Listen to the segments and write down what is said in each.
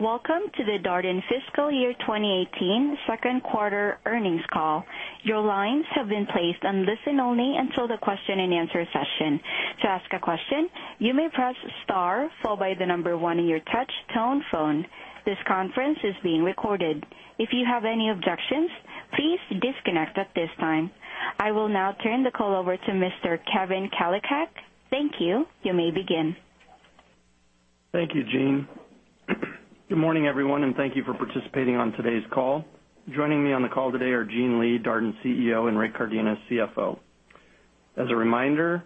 Welcome to the Darden fiscal year 2018 second quarter earnings call. Your lines have been placed on listen-only until the question and answer session. To ask a question, you may press star followed by 1 on your touch tone phone. This conference is being recorded. If you have any objections, please disconnect at this time. I will now turn the call over to Mr. Kevin Kalicak. Thank you. You may begin. Thank you, Gene. Good morning, everyone. Thank you for participating on today's call. Joining me on the call today are Gene Lee, Darden CEO, and Rick Cardenas, CFO. As a reminder,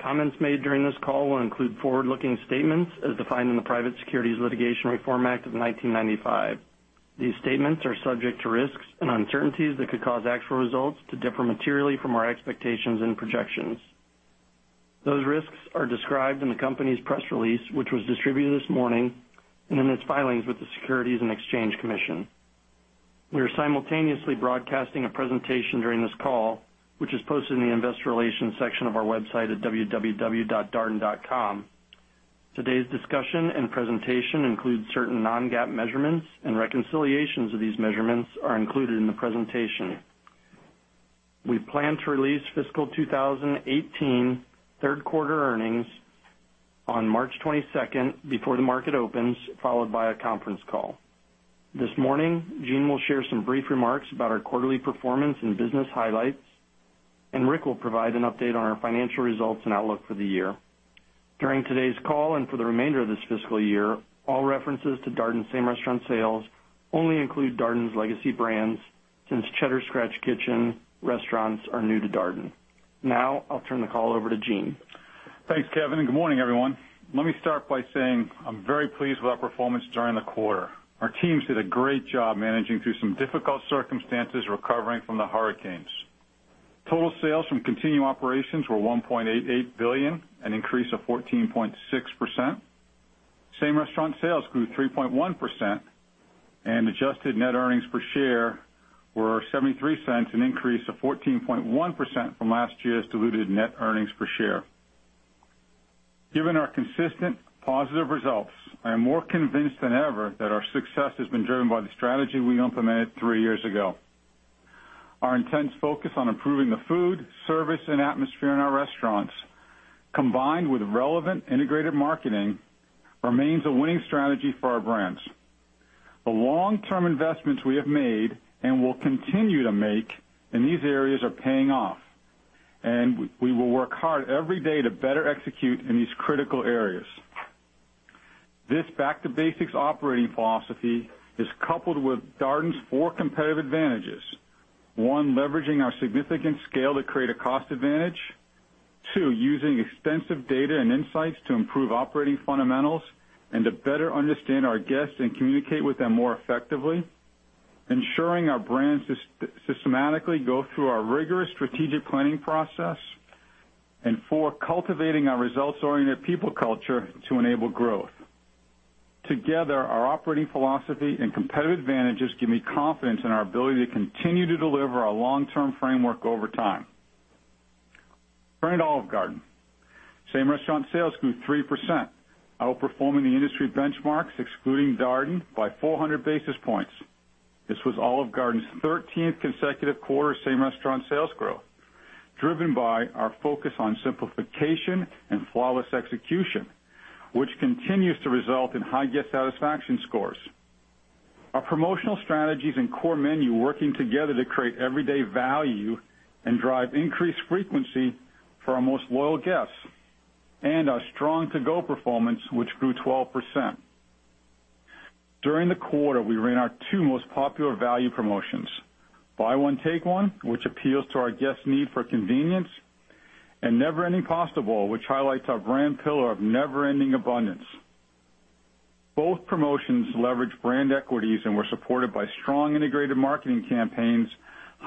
comments made during this call will include forward-looking statements as defined in the Private Securities Litigation Reform Act of 1995. These statements are subject to risks and uncertainties that could cause actual results to differ materially from our expectations and projections. Those risks are described in the company's press release, which was distributed this morning, and in its filings with the Securities and Exchange Commission. We are simultaneously broadcasting a presentation during this call, which is posted in the investor relations section of our website at www.darden.com. Today's discussion and presentation includes certain non-GAAP measurements. Reconciliations of these measurements are included in the presentation. We plan to release fiscal 2018 third quarter earnings on March 22nd before the market opens, followed by a conference call. This morning, Gene will share some brief remarks about our quarterly performance and business highlights, and Rick will provide an update on our financial results and outlook for the year. During today's call and for the remainder of this fiscal year, all references to Darden same-restaurant sales only include Darden's legacy brands, since Cheddar's Scratch Kitchen restaurants are new to Darden. I'll turn the call over to Gene. Thanks, Kevin. Good morning, everyone. Let me start by saying I'm very pleased with our performance during the quarter. Our teams did a great job managing through some difficult circumstances recovering from the hurricanes. Total sales from continuing operations were $1.88 billion, an increase of 14.6%. Same-restaurant sales grew 3.1%, and adjusted net earnings per share were $0.73, an increase of 14.1% from last year's diluted net earnings per share. Given our consistent positive results, I am more convinced than ever that our success has been driven by the strategy we implemented three years ago. Our intense focus on improving the food, service, and atmosphere in our restaurants, combined with relevant integrated marketing, remains a winning strategy for our brands. The long-term investments we have made and will continue to make in these areas are paying off, and we will work hard every day to better execute in these critical areas. This back-to-basics operating philosophy is coupled with Darden's four competitive advantages. One, leveraging our significant scale to create a cost advantage. Two, using extensive data and insights to improve operating fundamentals and to better understand our guests and communicate with them more effectively. Ensuring our brands systematically go through our rigorous strategic planning process. Four, cultivating our results-oriented people culture to enable growth. Together, our operating philosophy and competitive advantages give me confidence in our ability to continue to deliver our long-term framework over time. Turning to Olive Garden. Same-restaurant sales grew 3%, outperforming the industry benchmarks, excluding Darden, by 400 basis points. This was Olive Garden's 13th consecutive quarter of same-restaurant sales growth, driven by our focus on simplification and flawless execution, which continues to result in high guest satisfaction scores. Our promotional strategies and core menu working together to create everyday value and drive increased frequency for our most loyal guests. Our strong to-go performance, which grew 12%. During the quarter, we ran our two most popular value promotions, Buy One, Take One, which appeals to our guests' need for convenience, and Never Ending Pasta Bowl, which highlights our brand pillar of never-ending abundance. Both promotions leveraged brand equities and were supported by strong integrated marketing campaigns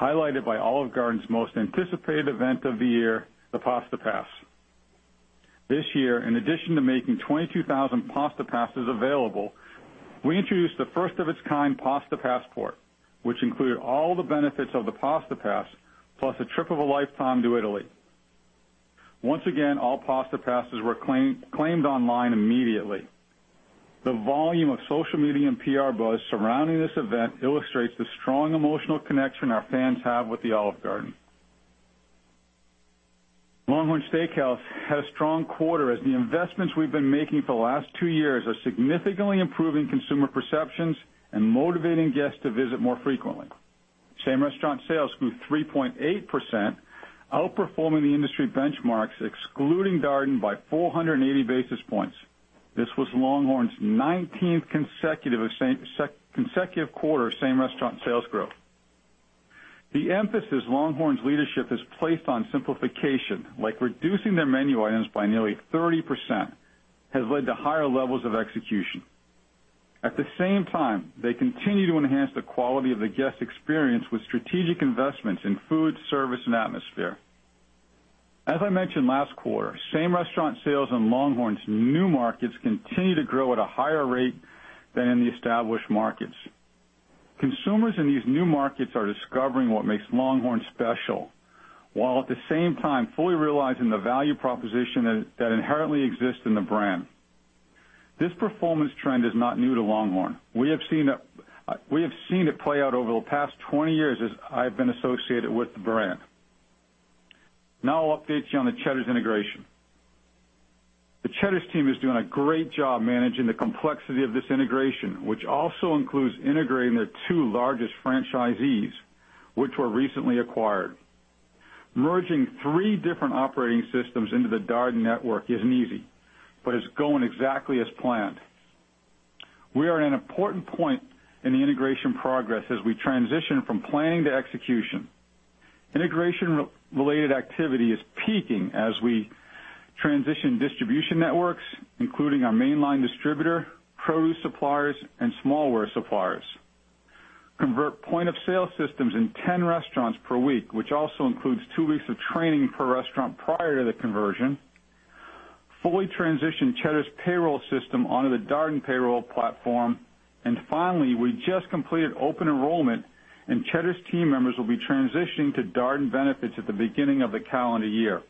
highlighted by Olive Garden's most anticipated event of the year, the Pasta Pass. This year, in addition to making 22,000 Pasta Passes available, we introduced the first of its kind Pasta Passport, which included all the benefits of the Pasta Pass, plus a trip of a lifetime to Italy. Once again, all Pasta Passes were claimed online immediately. The volume of social media and PR buzz surrounding this event illustrates the strong emotional connection our fans have with the Olive Garden. LongHorn Steakhouse had a strong quarter as the investments we've been making for the last two years are significantly improving consumer perceptions and motivating guests to visit more frequently. Same-restaurant sales grew 3.8%, outperforming the industry benchmarks, excluding Darden, by 480 basis points. This was LongHorn's 19th consecutive quarter of same-restaurant sales growth. The emphasis LongHorn's leadership has placed on simplification, like reducing their menu items by nearly 30%, has led to higher levels of execution. At the same time, they continue to enhance the quality of the guest experience with strategic investments in food, service, and atmosphere. As I mentioned last quarter, same-restaurant sales in LongHorn's new markets continue to grow at a higher rate than in the established markets. Consumers in these new markets are discovering what makes LongHorn special, while at the same time, fully realizing the value proposition that inherently exists in the brand. This performance trend is not new to LongHorn. We have seen it play out over the past 20 years as I've been associated with the brand. I'll update you on the Cheddar's integration. The Cheddar's team is doing a great job managing the complexity of this integration, which also includes integrating their two largest franchisees, which were recently acquired. Merging three different operating systems into the Darden network isn't easy, but it's going exactly as planned. We are at an important point in the integration progress as we transition from planning to execution. Integration-related activity is peaking as we transition distribution networks, including our mainline distributor, produce suppliers, and smallware suppliers. Convert point-of-sale systems in 10 restaurants per week, which also includes two weeks of training per restaurant prior to the conversion. Finally, we just completed open enrollment, and Cheddar's team members will be transitioning to Darden benefits at the beginning of the calendar year.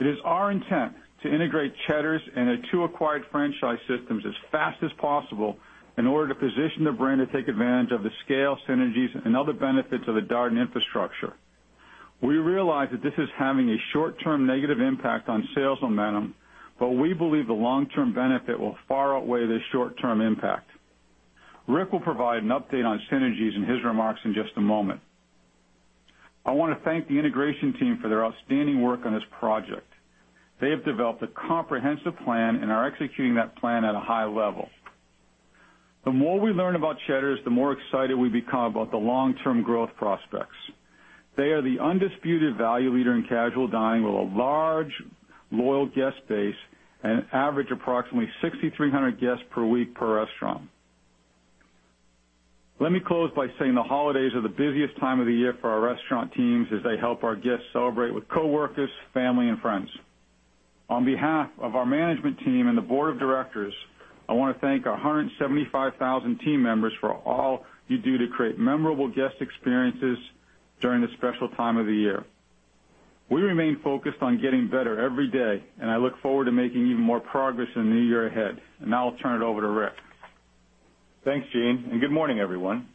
It is our intent to integrate Cheddar's and their two acquired franchise systems as fast as possible in order to position the brand to take advantage of the scale synergies and other benefits of the Darden infrastructure. We realize that this is having a short-term negative impact on sales momentum, we believe the long-term benefit will far outweigh the short-term impact. Rick will provide an update on synergies in his remarks in just a moment. I want to thank the integration team for their outstanding work on this project. They have developed a comprehensive plan and are executing that plan at a high level. The more we learn about Cheddar's, the more excited we become about the long-term growth prospects. They are the undisputed value leader in casual dining, with a large, loyal guest base and an average approximately 6,300 guests per week per restaurant. Let me close by saying the holidays are the busiest time of the year for our restaurant teams as they help our guests celebrate with coworkers, family, and friends. On behalf of our management team and the board of directors, I want to thank our 175,000 team members for all you do to create memorable guest experiences during this special time of the year. We remain focused on getting better every day, I look forward to making even more progress in the year ahead. Now I'll turn it over to Rick. Thanks, Gene, good morning, everyone.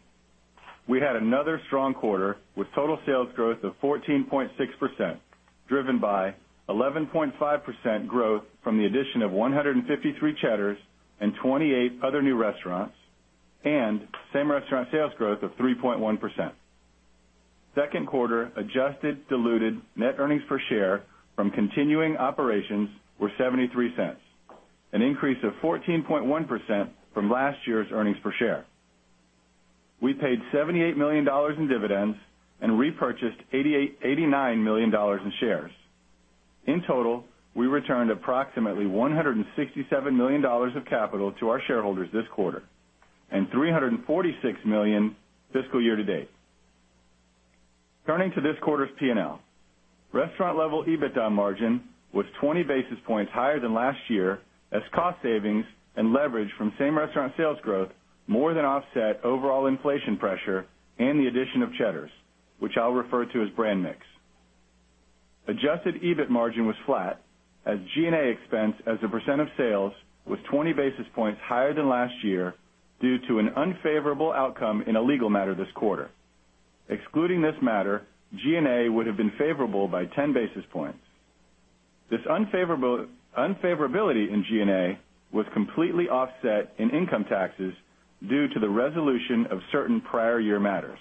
We had another strong quarter with total sales growth of 14.6%, driven by 11.5% growth from the addition of 153 Cheddar's and 28 other new restaurants, and same-restaurant sales growth of 3.1%. Second quarter adjusted diluted net earnings per share from continuing operations were $0.73, an increase of 14.1% from last year's earnings per share. We paid $78 million in dividends and repurchased $89 million in shares. In total, we returned approximately $167 million of capital to our shareholders this quarter and $346 million fiscal year to date. Turning to this quarter's P&L. Restaurant level EBITDA margin was 20 basis points higher than last year as cost savings and leverage from same-restaurant sales growth more than offset overall inflation pressure and the addition of Cheddar's, which I'll refer to as brand mix. Adjusted EBIT margin was flat as G&A expense as a percent of sales was 20 basis points higher than last year due to an unfavorable outcome in a legal matter this quarter. Excluding this matter, G&A would have been favorable by 10 basis points. This unfavorability in G&A was completely offset in income taxes due to the resolution of certain prior year matters.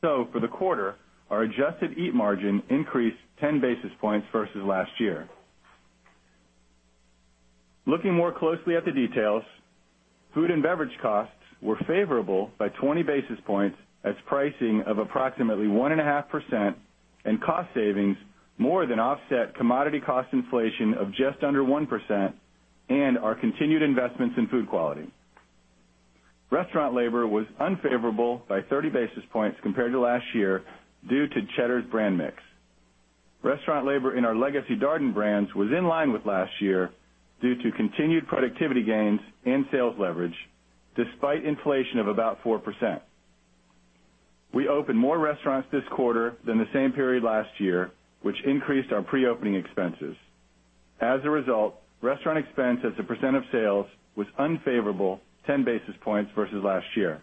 For the quarter, our adjusted EBIT margin increased 10 basis points versus last year. Looking more closely at the details, food and beverage costs were favorable by 20 basis points as pricing of approximately 1.5% and cost savings more than offset commodity cost inflation of just under 1% and our continued investments in food quality. Restaurant labor was unfavorable by 30 basis points compared to last year due to Cheddar's brand mix. Restaurant labor in our legacy Darden brands was in line with last year due to continued productivity gains and sales leverage, despite inflation of about 4%. We opened more restaurants this quarter than the same period last year, which increased our pre-opening expenses. Restaurant expense as a percent of sales was unfavorable 10 basis points versus last year.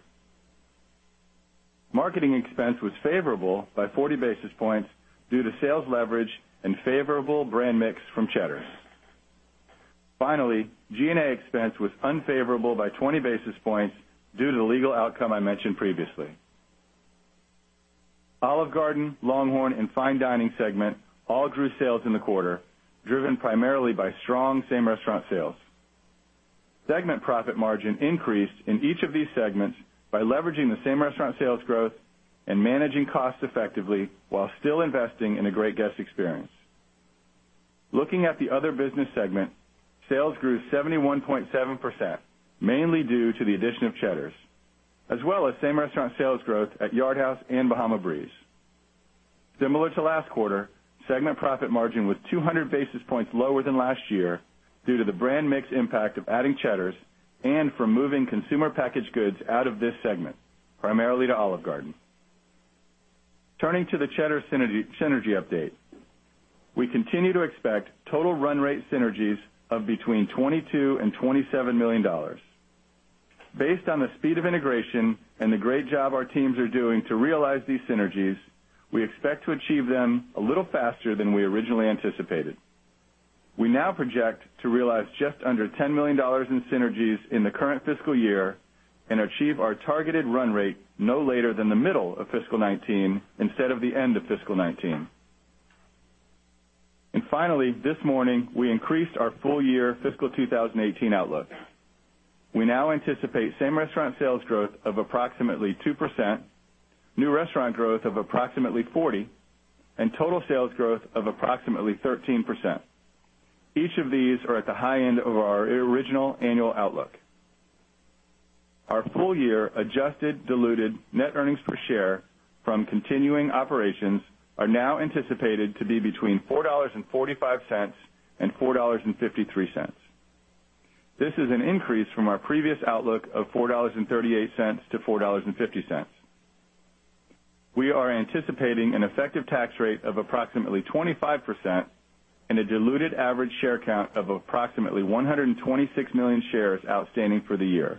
Marketing expense was favorable by 40 basis points due to sales leverage and favorable brand mix from Cheddar's. G&A expense was unfavorable by 20 basis points due to the legal outcome I mentioned previously. Olive Garden, LongHorn, and Fine Dining segment all grew sales in the quarter, driven primarily by strong same-restaurant sales. Segment profit margin increased in each of these segments by leveraging the same-restaurant sales growth and managing costs effectively while still investing in a great guest experience. Looking at the other business segment, sales grew 71.7%, mainly due to the addition of Cheddar's, as well as same-restaurant sales growth at Yard House and Bahama Breeze. Similar to last quarter, segment profit margin was 200 basis points lower than last year due to the brand mix impact of adding Cheddar's and from moving consumer packaged goods out of this segment, primarily to Olive Garden. Turning to the Cheddar's synergy update. We continue to expect total run rate synergies of between $22 million-$27 million. Based on the speed of integration and the great job our teams are doing to realize these synergies, we expect to achieve them a little faster than we originally anticipated. We now project to realize just under $10 million in synergies in the current fiscal year and achieve our targeted run rate no later than the middle of fiscal 2019 instead of the end of fiscal 2019. Finally, this morning, we increased our full year fiscal 2018 outlook. We now anticipate same-restaurant sales growth of approximately 2%, new restaurant growth of approximately 40, and total sales growth of approximately 13%. Each of these are at the high end of our original annual outlook. Our full-year adjusted diluted net earnings per share from continuing operations are now anticipated to be between $4.45-$4.53. This is an increase from our previous outlook of $4.38-$4.50. We are anticipating an effective tax rate of approximately 25% and a diluted average share count of approximately 126 million shares outstanding for the year.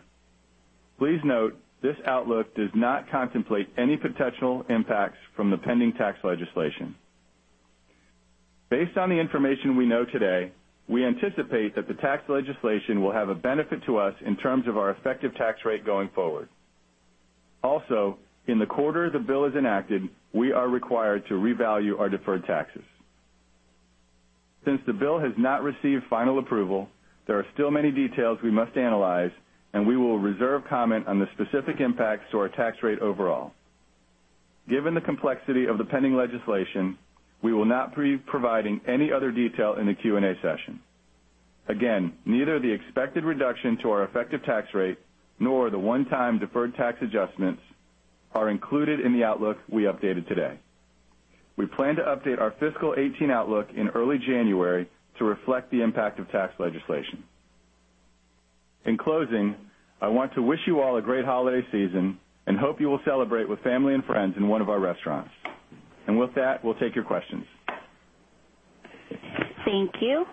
Please note, this outlook does not contemplate any potential impacts from the pending tax legislation. Based on the information we know today, we anticipate that the tax legislation will have a benefit to us in terms of our effective tax rate going forward. Also, in the quarter the bill is enacted, we are required to revalue our deferred taxes. Since the bill has not received final approval, there are still many details we must analyze, and we will reserve comment on the specific impacts to our tax rate overall. Given the complexity of the pending legislation, we will not be providing any other detail in the Q&A session. Neither the expected reduction to our effective tax rate nor the one-time deferred tax adjustments are included in the outlook we updated today. We plan to update our fiscal 2018 outlook in early January to reflect the impact of tax legislation. In closing, I want to wish you all a great holiday season and hope you will celebrate with family and friends in 1 of our restaurants. With that, we'll take your questions. Thank you.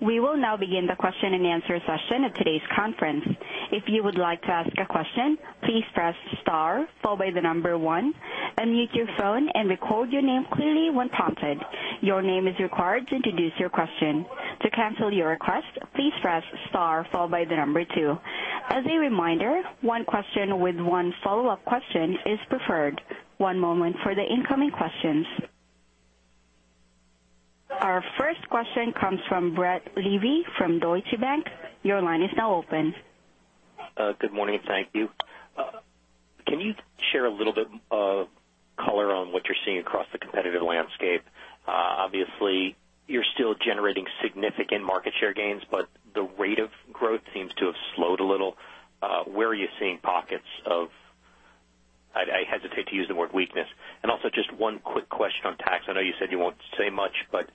We will now begin the question-and-answer session of today's conference. If you would like to ask a question, please press star followed by 1, unmute your phone and record your name clearly when prompted. Your name is required to introduce your question. To cancel your request, please press star followed by 2. As a reminder, 1 question with 1 follow-up question is preferred. 1 moment for the incoming questions. Our first question comes from Brett Levy from Deutsche Bank. Your line is now open. Good morning, thank you. Can you share a little bit of color on what you're seeing across the competitive landscape? Obviously, you're still generating significant market share gains, but the rate of growth seems to have slowed a little. Where are you seeing pockets of, I hesitate to use the word weakness? Also just 1 quick question on tax. I know you said you won't say much, but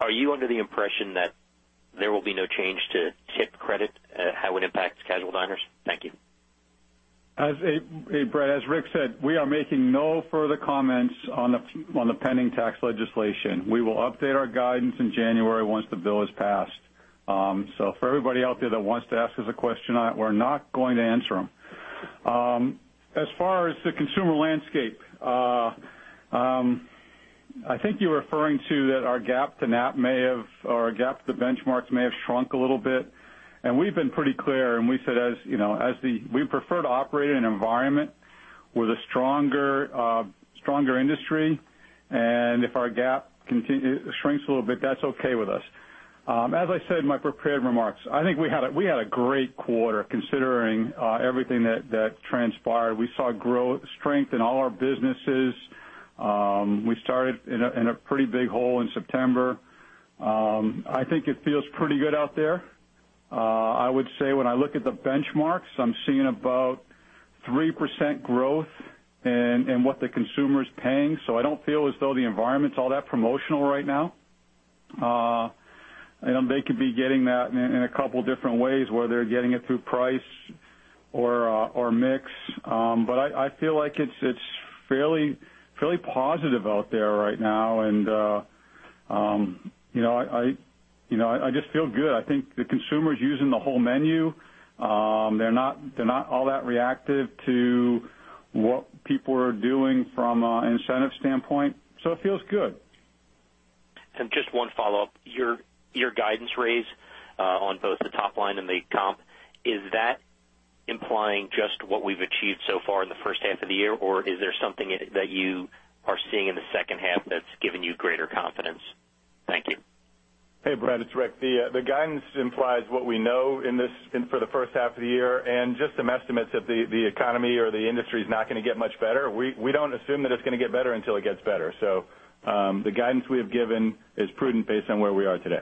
are you under the impression that there will be no change to tip credit, how it impacts casual diners? Thank you. Hey, Brett. As Rick said, we are making no further comments on the pending tax legislation. We will update our guidance in January once the bill is passed. For everybody out there that wants to ask us a question, we're not going to answer them. As far as the consumer landscape, I think you're referring to that our gap to Knapp-Track may have, or our gap to benchmarks may have shrunk a little bit. We've been pretty clear, and we said as we prefer to operate in an environment with a stronger industry. If our gap shrinks a little bit, that's okay with us. As I said in my prepared remarks, I think we had a great quarter considering everything that transpired. We saw strength in all our businesses. We started in a pretty big hole in September. I think it feels pretty good out there. I would say when I look at the benchmarks, I'm seeing about 3% growth in what the consumer's paying. I don't feel as though the environment's all that promotional right now. They could be getting that in a couple different ways, whether getting it through price or mix. I feel like it's fairly positive out there right now. I just feel good. I think the consumer's using the whole menu. They're not all that reactive to what people are doing from an incentive standpoint, so it feels good. Just one follow-up. Your guidance raise on both the top line and the comp, is that implying just what we've achieved so far in the first half of the year, or is there something that you are seeing in the second half that's given you greater confidence? Thank you. Hey, Brett, it's Rick. The guidance implies what we know for the first half of the year and just some estimates that the economy or the industry's not going to get much better. We don't assume that it's going to get better until it gets better. The guidance we have given is prudent based on where we are today.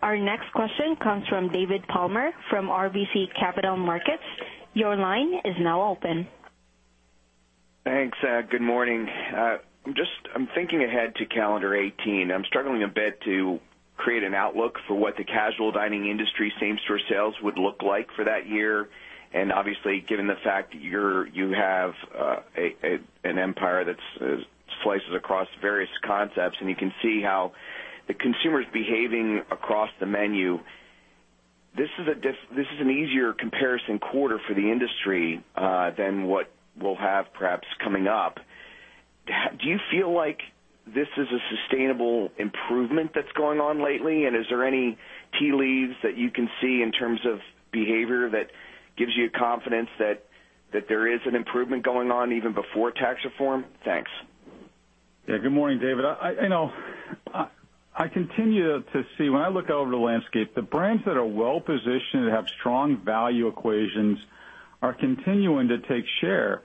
Our next question comes from David Palmer from RBC Capital Markets. Your line is now open. Thanks. Good morning. I'm thinking ahead to calendar 2018. I'm struggling a bit to create an outlook for what the casual dining industry same-store sales would look like for that year. Obviously, given the fact you have an empire that slices across various concepts, and you can see how the consumer's behaving across the menu. This is an easier comparison quarter for the industry, than what we'll have perhaps coming up. Do you feel like this is a sustainable improvement that's going on lately? Are there any tea leaves that you can see in terms of behavior that gives you confidence that there is an improvement going on even before tax reform? Thanks. Good morning, David. When I look out over the landscape, the brands that are well-positioned and have strong value equations are continuing to take share.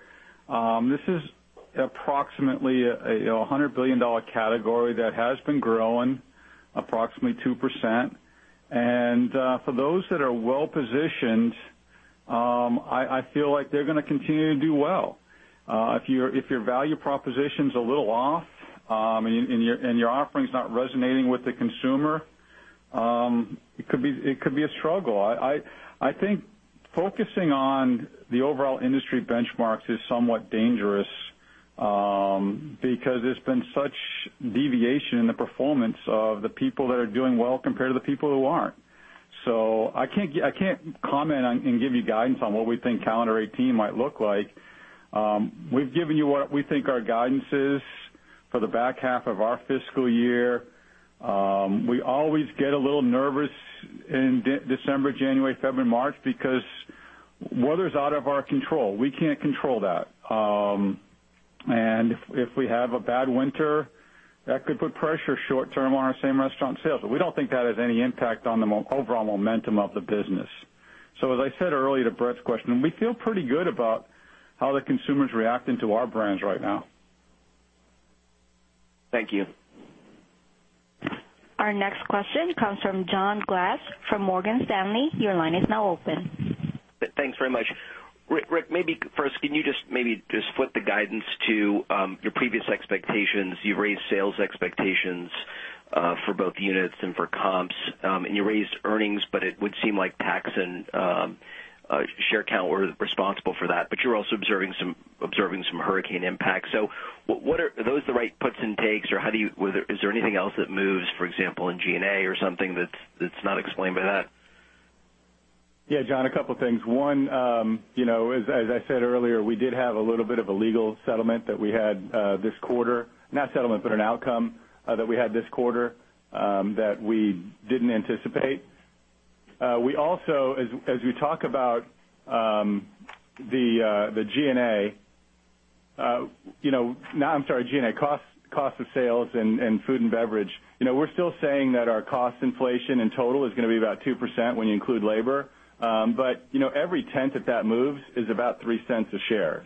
This is approximately a $100 billion category that has been growing approximately 2%. For those that are well-positioned, I feel like they're going to continue to do well. If your value proposition's a little off, and your offering's not resonating with the consumer, it could be a struggle. I think focusing on the overall industry benchmarks is somewhat dangerous, because there's been such deviation in the performance of the people that are doing well compared to the people who aren't. I can't comment and give you guidance on what we think calendar 2018 might look like. We've given you what we think our guidance is for the back half of our fiscal year. We always get a little nervous in December, January, February, March, because weather's out of our control. We can't control that. If we have a bad winter, that could put pressure short-term on our same restaurant sales. We don't think that has any impact on the overall momentum of the business. As I said earlier to Brett's question, we feel pretty good about how the consumer's reacting to our brands right now. Thank you. Our next question comes from John Glass from Morgan Stanley. Your line is now open. Thanks very much. Rick, first, can you just maybe flip the guidance to your previous expectations? You've raised sales expectations for both units and for comps, you raised earnings, it would seem like tax and share count were responsible for that. You're also observing some hurricane impact. Are those the right puts and takes, or is there anything else that moves, for example, in G&A or something that's not explained by that? Yeah, John, a couple things. One, as I said earlier, we did have a little bit of a legal settlement that we had this quarter. Not settlement, but an outcome that we had this quarter that we didn't anticipate. We also, as we talk about the G&A cost of sales and food and beverage. We're still saying that our cost inflation in total is going to be about 2% when you include labor. Every tenth that moves is about $0.03 a share.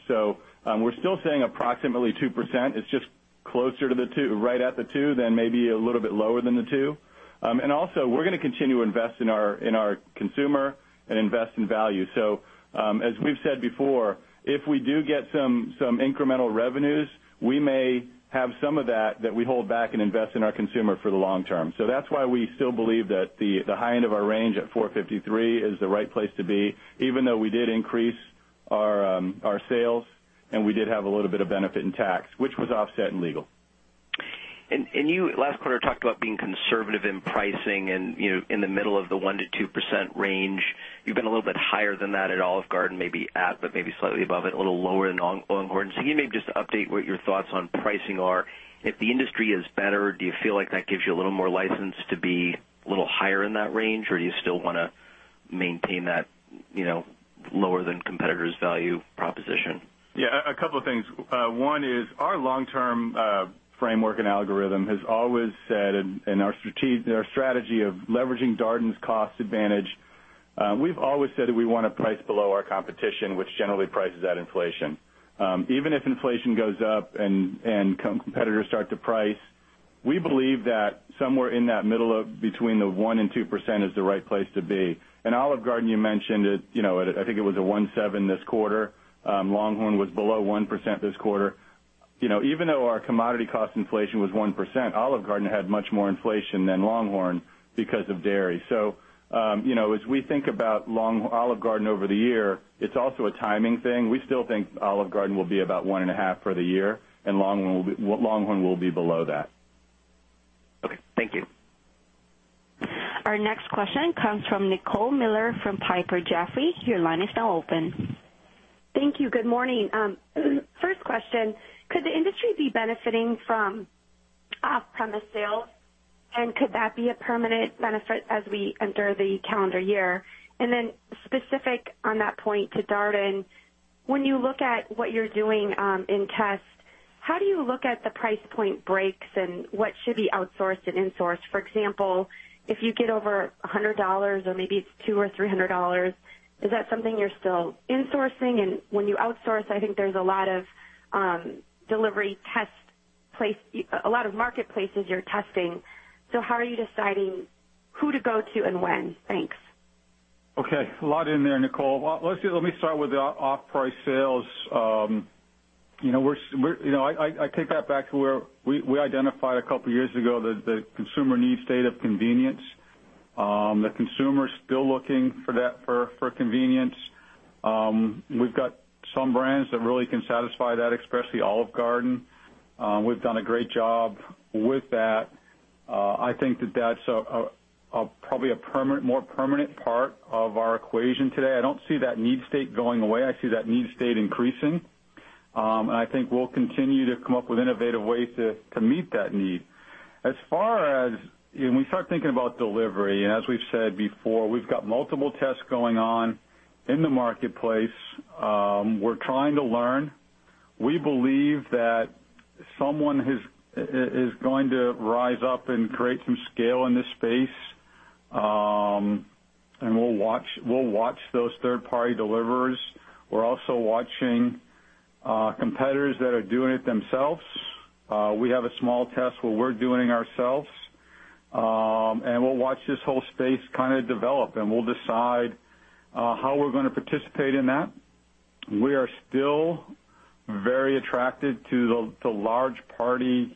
We're still saying approximately 2%. It's just closer to the two, right at the two, than maybe a little bit lower than the two. Also, we're going to continue to invest in our consumer and invest in value. As we've said before, if we do get some incremental revenues, we may have some of that we hold back and invest in our consumer for the long term. That's why we still believe that the high end of our range at $4.53 is the right place to be, even though we did increase our sales, and we did have a little bit of benefit in tax, which was offset in legal. You, last quarter, talked about being conservative in pricing and in the middle of the 1%-2% range. You've been a little bit higher than that at Olive Garden, maybe at, but maybe slightly above it, a little lower than LongHorn Steakhouse. Can you maybe just update what your thoughts on pricing are? If the industry is better, do you feel like that gives you a little more license to be a little higher in that range, or do you still want to maintain that lower than competitors value proposition? A couple of things. One is our long-term framework and algorithm has always said in our strategy of leveraging Darden's cost advantage. We've always said that we want to price below our competition, which generally prices at inflation. Even if inflation goes up and competitors start to price, we believe that somewhere in that middle of between the 1% and 2% is the right place to be. In Olive Garden, you mentioned it. I think it was 1.7% this quarter. LongHorn Steakhouse was below 1% this quarter. Even though our commodity cost inflation was 1%, Olive Garden had much more inflation than LongHorn Steakhouse because of dairy. As we think about Olive Garden over the year, it's also a timing thing. We still think Olive Garden will be about 1.5% for the year, and LongHorn Steakhouse will be below that. Thank you. Our next question comes from Nicole Miller from Piper Jaffray. Your line is now open. Thank you. Good morning. First question, could the industry be benefiting from off-premise sales, and could that be a permanent benefit as we enter the calendar year? Specific on that point to Darden, when you look at what you're doing in test, how do you look at the price point breaks and what should be outsourced and insourced? For example, if you get over $100 or maybe it's $200 or $300, is that something you're still insourcing? When you outsource, I think there's a lot of delivery test a lot of marketplaces you're testing. How are you deciding who to go to and when? Thanks. Okay. A lot in there, Nicole. Let me start with the off-premise sales. I take that back to where we identified a couple of years ago that the consumer needs state of convenience. The consumer is still looking for convenience. We've got some brands that really can satisfy that, especially Olive Garden. We've done a great job with that. I think that that's probably a more permanent part of our equation today. I don't see that need state going away. I see that need state increasing. I think we'll continue to come up with innovative ways to meet that need. As far as when we start thinking about delivery, as we've said before, we've got multiple tests going on in the marketplace. We're trying to learn. We believe that someone is going to rise up and create some scale in this space. We'll watch those third-party deliverers. We're also watching competitors that are doing it themselves. We have a small test where we're doing it ourselves. We'll watch this whole space kind of develop, and we'll decide how we're going to participate in that. We are still very attracted to the large party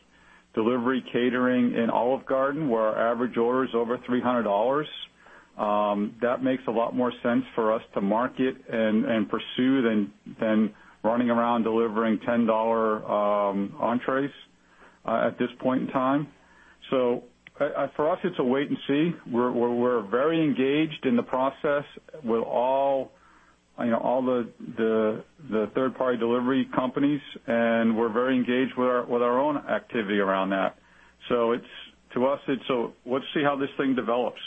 delivery catering in Olive Garden, where our average order is over $300. That makes a lot more sense for us to market and pursue than running around delivering $10 entrees at this point in time. For us, it's a wait and see. We're very engaged in the process with all the third-party delivery companies, and we're very engaged with our own activity around that. To us, it's a let's see how this thing develops.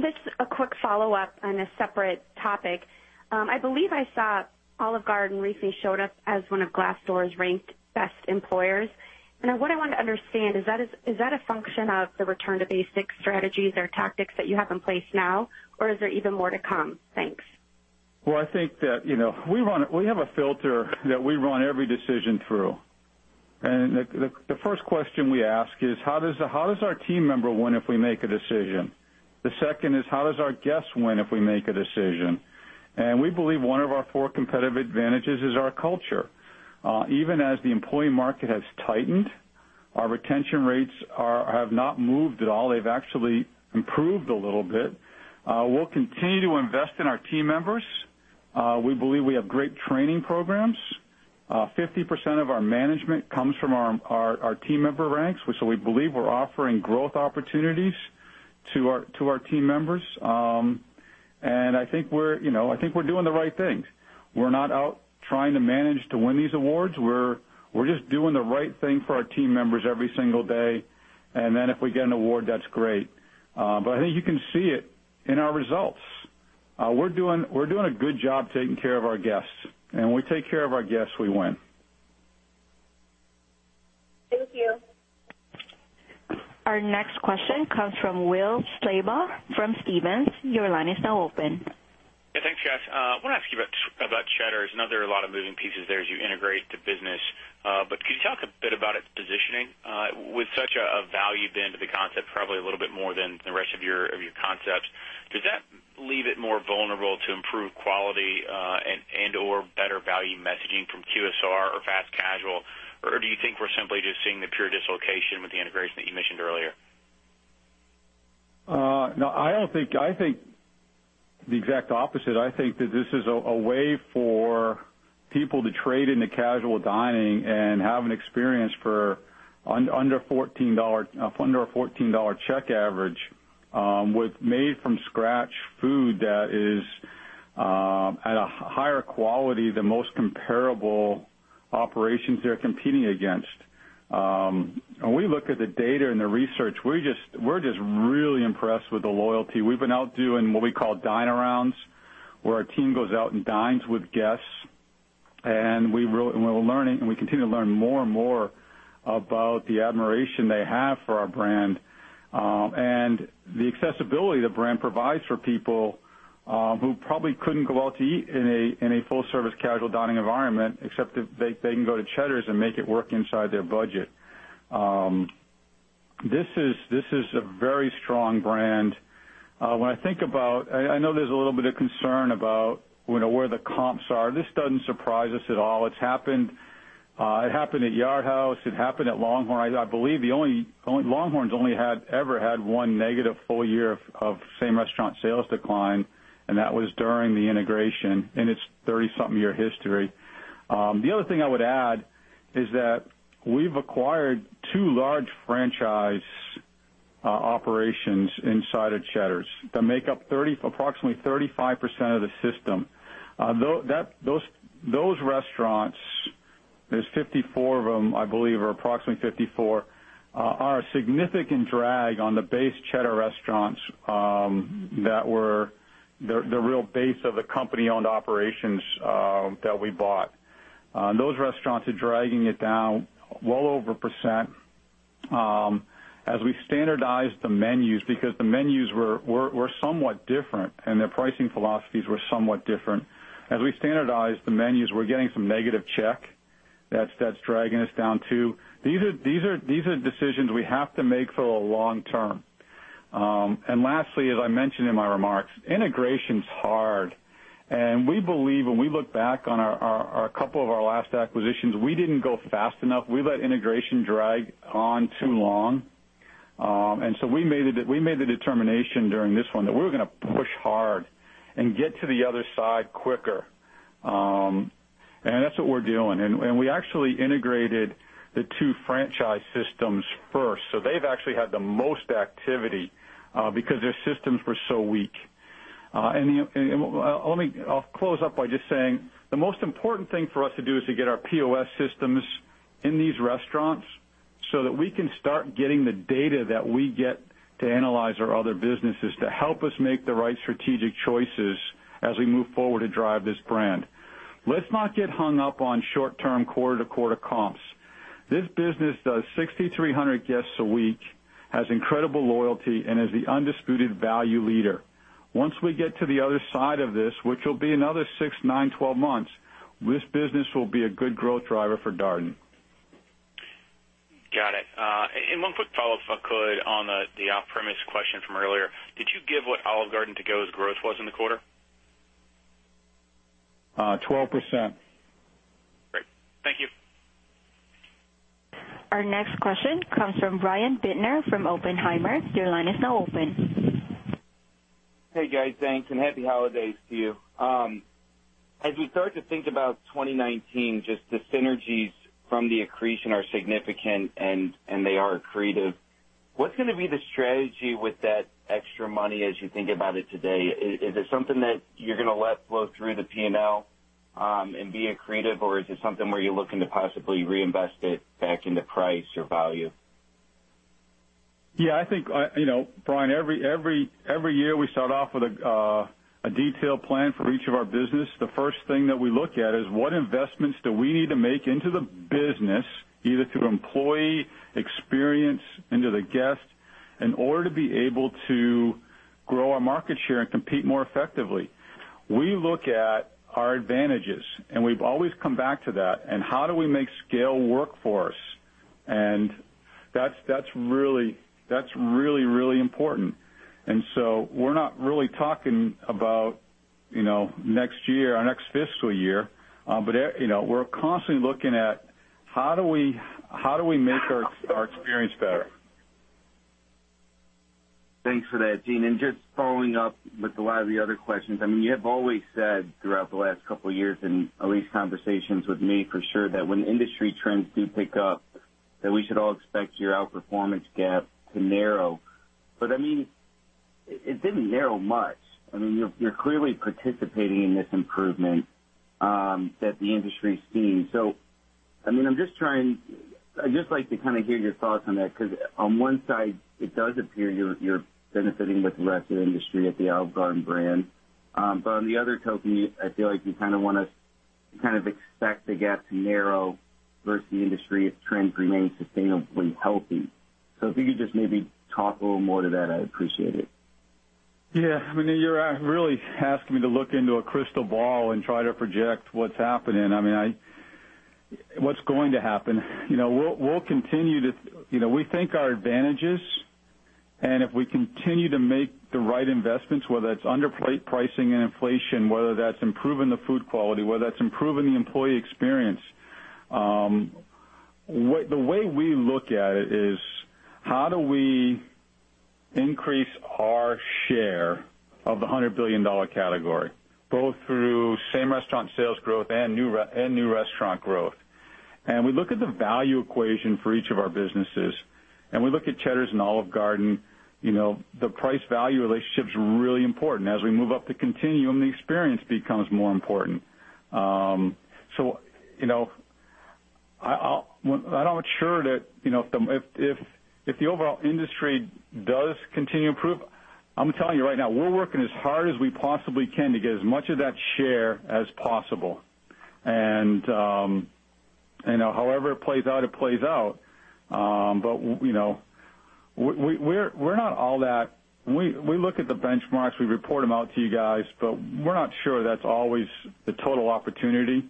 Just a quick follow-up on a separate topic. I believe I saw Olive Garden recently showed up as one of Glassdoor's ranked best employers. What I want to understand, is that a function of the return to basic strategies or tactics that you have in place now? Or is there even more to come? Thanks. Well, I think that we have a filter that we run every decision through. The first question we ask is, how does our team member win if we make a decision? The second is, how does our guest win if we make a decision? We believe one of our four competitive advantages is our culture. Even as the employee market has tightened, our retention rates have not moved at all. They've actually improved a little bit. We'll continue to invest in our team members. We believe we have great training programs. 50% of our management comes from our team member ranks, so we believe we're offering growth opportunities to our team members. I think we're doing the right things. We're not out trying to manage to win these awards. We're just doing the right thing for our team members every single day, and then if we get an award, that's great. I think you can see it in our results. We're doing a good job taking care of our guests. When we take care of our guests, we win. Thank you. Our next question comes from Will Slabaugh from Stephens. Your line is now open. Yeah. Thanks, guys. I want to ask you about Cheddar. I know there are a lot of moving pieces there as you integrate the business. Could you talk a bit about its positioning? With such a value bend of the concept, probably a little bit more than the rest of your concepts, does that leave it more vulnerable to improved quality and or better value messaging from QSR or fast casual? Do you think we're simply just seeing the pure dislocation with the integration that you mentioned earlier? No. I think the exact opposite. I think that this is a way for people to trade into casual dining and have an experience for under a $14 check average, with made-from-scratch food that is at a higher quality than most comparable operations they're competing against. When we look at the data and the research, we're just really impressed with the loyalty. We've been out doing what we call dine arounds, where our team goes out and dines with guests. We continue to learn more and more about the admiration they have for our brand. The accessibility the brand provides for people who probably couldn't go out to eat in a full-service casual dining environment, except that they can go to Cheddar's and make it work inside their budget. This is a very strong brand. I know there's a little bit of concern about where the comps are. This doesn't surprise us at all. It happened at Yard House. It happened at LongHorn. I believe LongHorn has only ever had one negative full year of same-restaurant sales decline, and that was during the integration in its 30-something-year history. The other thing I would add is that we've acquired two large franchise operations inside of Cheddar's that make up approximately 35% of the system. Those restaurants, there are 54 of them, I believe, or approximately 54, are a significant drag on the base Cheddar restaurants that were the real base of the company-owned operations that we bought. Those restaurants are dragging it down well over 1% as we standardize the menus, because the menus were somewhat different, and their pricing philosophies were somewhat different. As we standardize the menus, we're getting some negative check that's dragging us down too. These are decisions we have to make for the long term. Lastly, as I mentioned in my remarks, integration is hard. We believe when we look back on a couple of our last acquisitions, we didn't go fast enough. We let integration drag on too long. We made the determination during this one that we were going to push hard and get to the other side quicker. That's what we're doing. We actually integrated the two franchise systems first. They've actually had the most activity because their systems were so weak. I'll close up by just saying, the most important thing for us to do is to get our POS systems in these restaurants so that we can start getting the data that we get to analyze our other businesses to help us make the right strategic choices as we move forward to drive this brand. Let's not get hung up on short-term quarter-to-quarter comps. This business does 6,300 guests a week, has incredible loyalty, and is the undisputed value leader. Once we get to the other side of this, which will be another six, nine, 12 months, this business will be a good growth driver for Darden. Got it. One quick follow-up, if I could, on the off-premise question from earlier. Did you give what Olive Garden to-go's growth was in the quarter? 12%. Great. Thank you. Our next question comes from Brian Bittner from Oppenheimer. Your line is now open. Hey, guys. Thanks, and happy holidays to you. As we start to think about 2019, just the synergies from the accretion are significant, and they are accretive. What's going to be the strategy with that extra money as you think about it today? Is it something that you're going to let flow through the P&L and be accretive, or is it something where you're looking to possibly reinvest it back into price or value? Yeah, I think Brian, every year we start off with a detailed plan for each of our business. The first thing that we look at is what investments do we need to make into the business, either through employee experience into the guest, in order to be able to grow our market share and compete more effectively. We look at our advantages, and we've always come back to that, and how do we make scale work for us? That's really, really important. We're not really talking about next year or next fiscal year, but we're constantly looking at how do we make our experience better. Thanks for that, Gene. Just following up with a lot of the other questions. You have always said throughout the last couple of years, in at least conversations with me for sure, that when industry trends do pick up, that we should all expect your outperformance gap to narrow. It didn't narrow much. You're clearly participating in this improvement that the industry is seeing. I'd just like to hear your thoughts on that, because on one side, it does appear you're benefiting with the rest of the industry at the Olive Garden brand. On the other token, I feel like you want us to expect the gap to narrow versus the industry if trends remain sustainably healthy. If you could just maybe talk a little more to that, I'd appreciate it. Yeah. You're really asking me to look into a crystal ball and try to project what's going to happen. If we continue to make the right investments, whether that's under pricing and inflation, whether that's improving the food quality, whether that's improving the employee experience. The way we look at it is how do we increase our share of the $100 billion category, both through same-restaurant sales growth and new restaurant growth. We look at the value equation for each of our businesses, and we look at Cheddar's and Olive Garden. The price-value relationship is really important. As we move up the continuum, the experience becomes more important. I'm not sure that if the overall industry does continue to improve. I'm telling you right now, we're working as hard as we possibly can to get as much of that share as possible. However it plays out, it plays out. We look at the benchmarks, we report them out to you guys, but we're not sure that's always the total opportunity.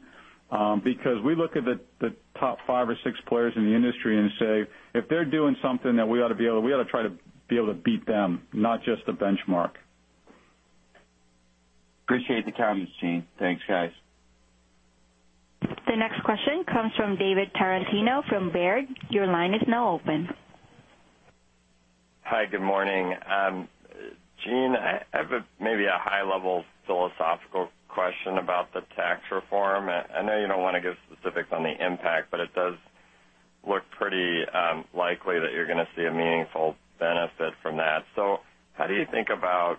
We look at the top five or six players in the industry and say, "If they're doing something, we ought to try to be able to beat them, not just the benchmark. Appreciate the comments, Gene. Thanks, guys. The next question comes from David Tarantino from Baird. Your line is now open. Hi, good morning. Gene, I have maybe a high-level philosophical question about the tax reform. I know you don't want to give specifics on the impact, it does look pretty likely that you're going to see a meaningful benefit from that. How do you think about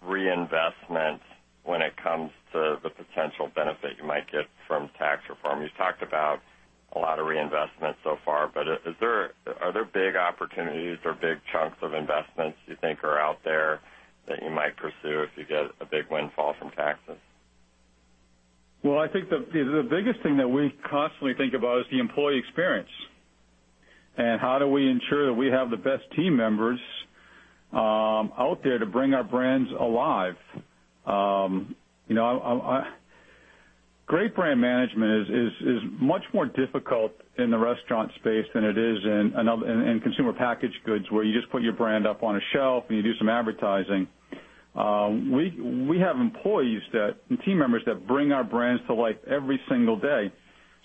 reinvestment when it comes to the potential benefit you might get from tax reform? You've talked about a lot of reinvestment so far, are there big opportunities or big chunks of investments you think are out there that you might pursue if you get a big windfall from taxes? Well, I think the biggest thing that we constantly think about is the employee experience, how do we ensure that we have the best team members out there to bring our brands alive. Great brand management is much more difficult in the restaurant space than it is in consumer packaged goods, where you just put your brand up on a shelf and you do some advertising. We have employees and team members that bring our brands to life every single day.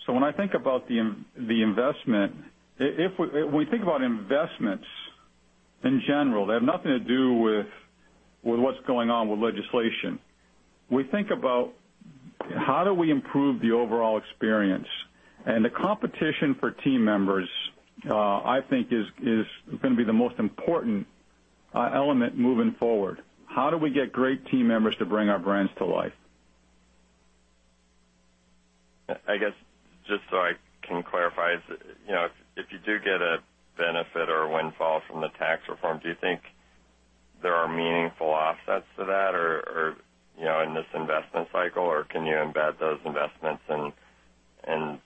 When I think about the investment-- if we think about investments in general, they have nothing to do with what's going on with legislation. We think about how do we improve the overall experience, the competition for team members, I think, is going to be the most important element moving forward. How do we get great team members to bring our brands to life? I guess, just so I can clarify. If you do get a benefit or a windfall from the tax reform, do you think there are meaningful offsets to that in this investment cycle, can you embed those investments in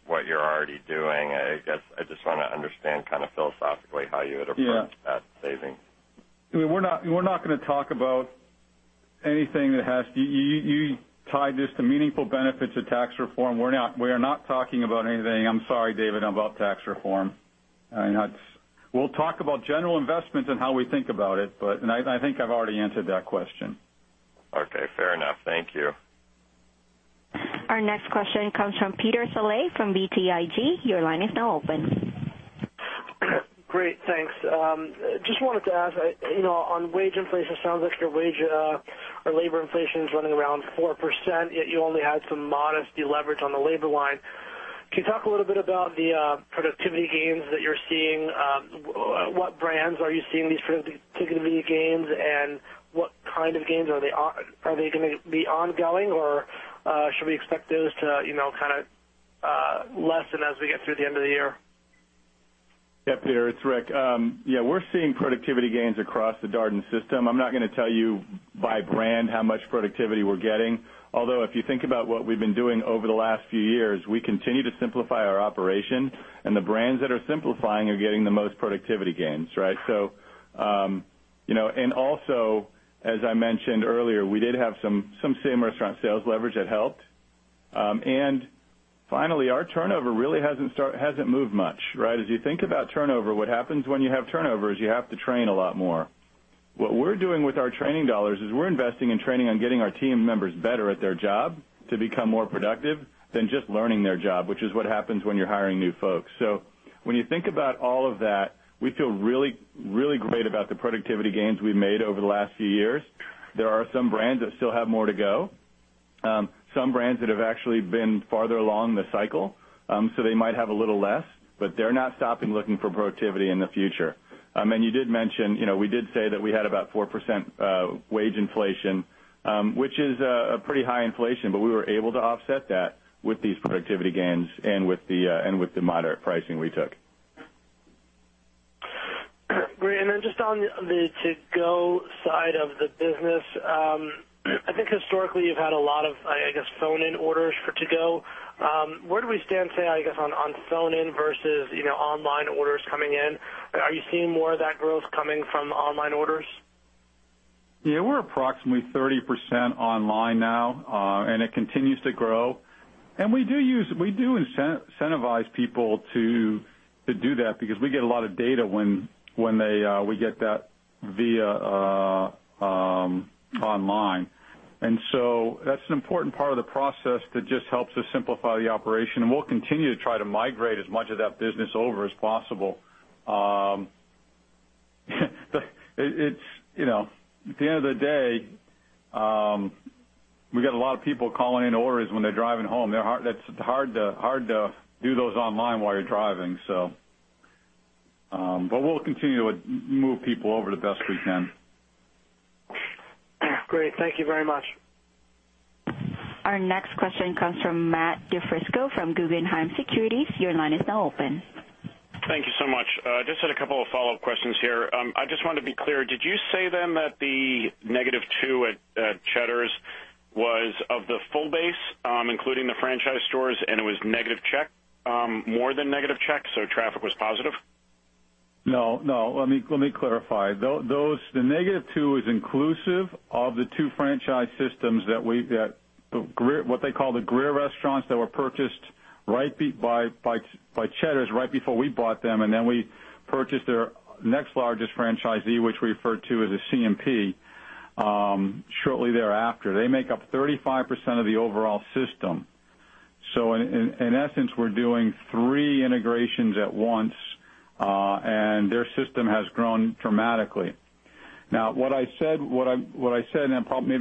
what you're already doing? I guess I just want to understand kind of philosophically how you would approach that savings. We're not going to talk about anything. You tied this to meaningful benefits of tax reform. We are not talking about anything, I'm sorry, David, about tax reform. We'll talk about general investments and how we think about it, I think I've already answered that question. Okay, fair enough. Thank you. Our next question comes from Peter Saleh from BTIG. Your line is now open. Great, thanks. Just wanted to ask, on wage inflation, sounds like your wage or labor inflation is running around 4%, yet you only had some modest deleverage on the labor line. Can you talk a little bit about the productivity gains that you're seeing? What brands are you seeing these productivity gains, and what kind of gains? Are they going to be ongoing, or should we expect those to kind of lessen as we get through the end of the year? Yeah, Peter, it's Rick. Yeah, we're seeing productivity gains across the Darden system. I'm not going to tell you by brand how much productivity we're getting, although if you think about what we've been doing over the last few years, we continue to simplify our operation, and the brands that are simplifying are getting the most productivity gains, right? Also, as I mentioned earlier, we did have some same-restaurant sales leverage that helped. Finally, our turnover really hasn't moved much. Right? As you think about turnover, what happens when you have turnover is you have to train a lot more. What we're doing with our training dollars is we're investing in training on getting our team members better at their job to become more productive than just learning their job, which is what happens when you're hiring new folks. When you think about all of that, we feel really great about the productivity gains we've made over the last few years. There are some brands that still have more to go. Some brands that have actually been farther along the cycle. They might have a little less, but they're not stopping looking for productivity in the future. You did mention, we did say that we had about 4% wage inflation, which is a pretty high inflation, but we were able to offset that with these productivity gains and with the moderate pricing we took. Great. Then just on the to-go side of the business. I think historically you've had a lot of, I guess, phone-in orders for to-go. Where do we stand, say, I guess, on phone-in versus online orders coming in? Are you seeing more of that growth coming from online orders? Yeah, we're approximately 30% online now. It continues to grow. We do incentivize people to do that because we get a lot of data when we get that via online. That's an important part of the process that just helps us simplify the operation, and we'll continue to try to migrate as much of that business over as possible. At the end of the day, we get a lot of people calling in orders when they're driving home. It's hard to do those online while you're driving. We'll continue to move people over the best we can. Great. Thank you very much. Our next question comes from Matthew DiFrisco from Guggenheim Securities. Your line is now open. Thank you so much. Just had a couple of follow-up questions here. I just wanted to be clear. Did you say then that the -2% at Cheddar's was of the full base, including the franchise stores, and it was negative check, more than negative check, traffic was positive? No. Let me clarify. The -2% is inclusive of the two franchise systems what they call the Greer restaurants that were purchased by Cheddar's right before we bought them, then we purchased their next largest franchisee, which we refer to as a CMP, shortly thereafter. They make up 35% of the overall system. In essence, we're doing three integrations at once, their system has grown dramatically. Now, what I said, maybe I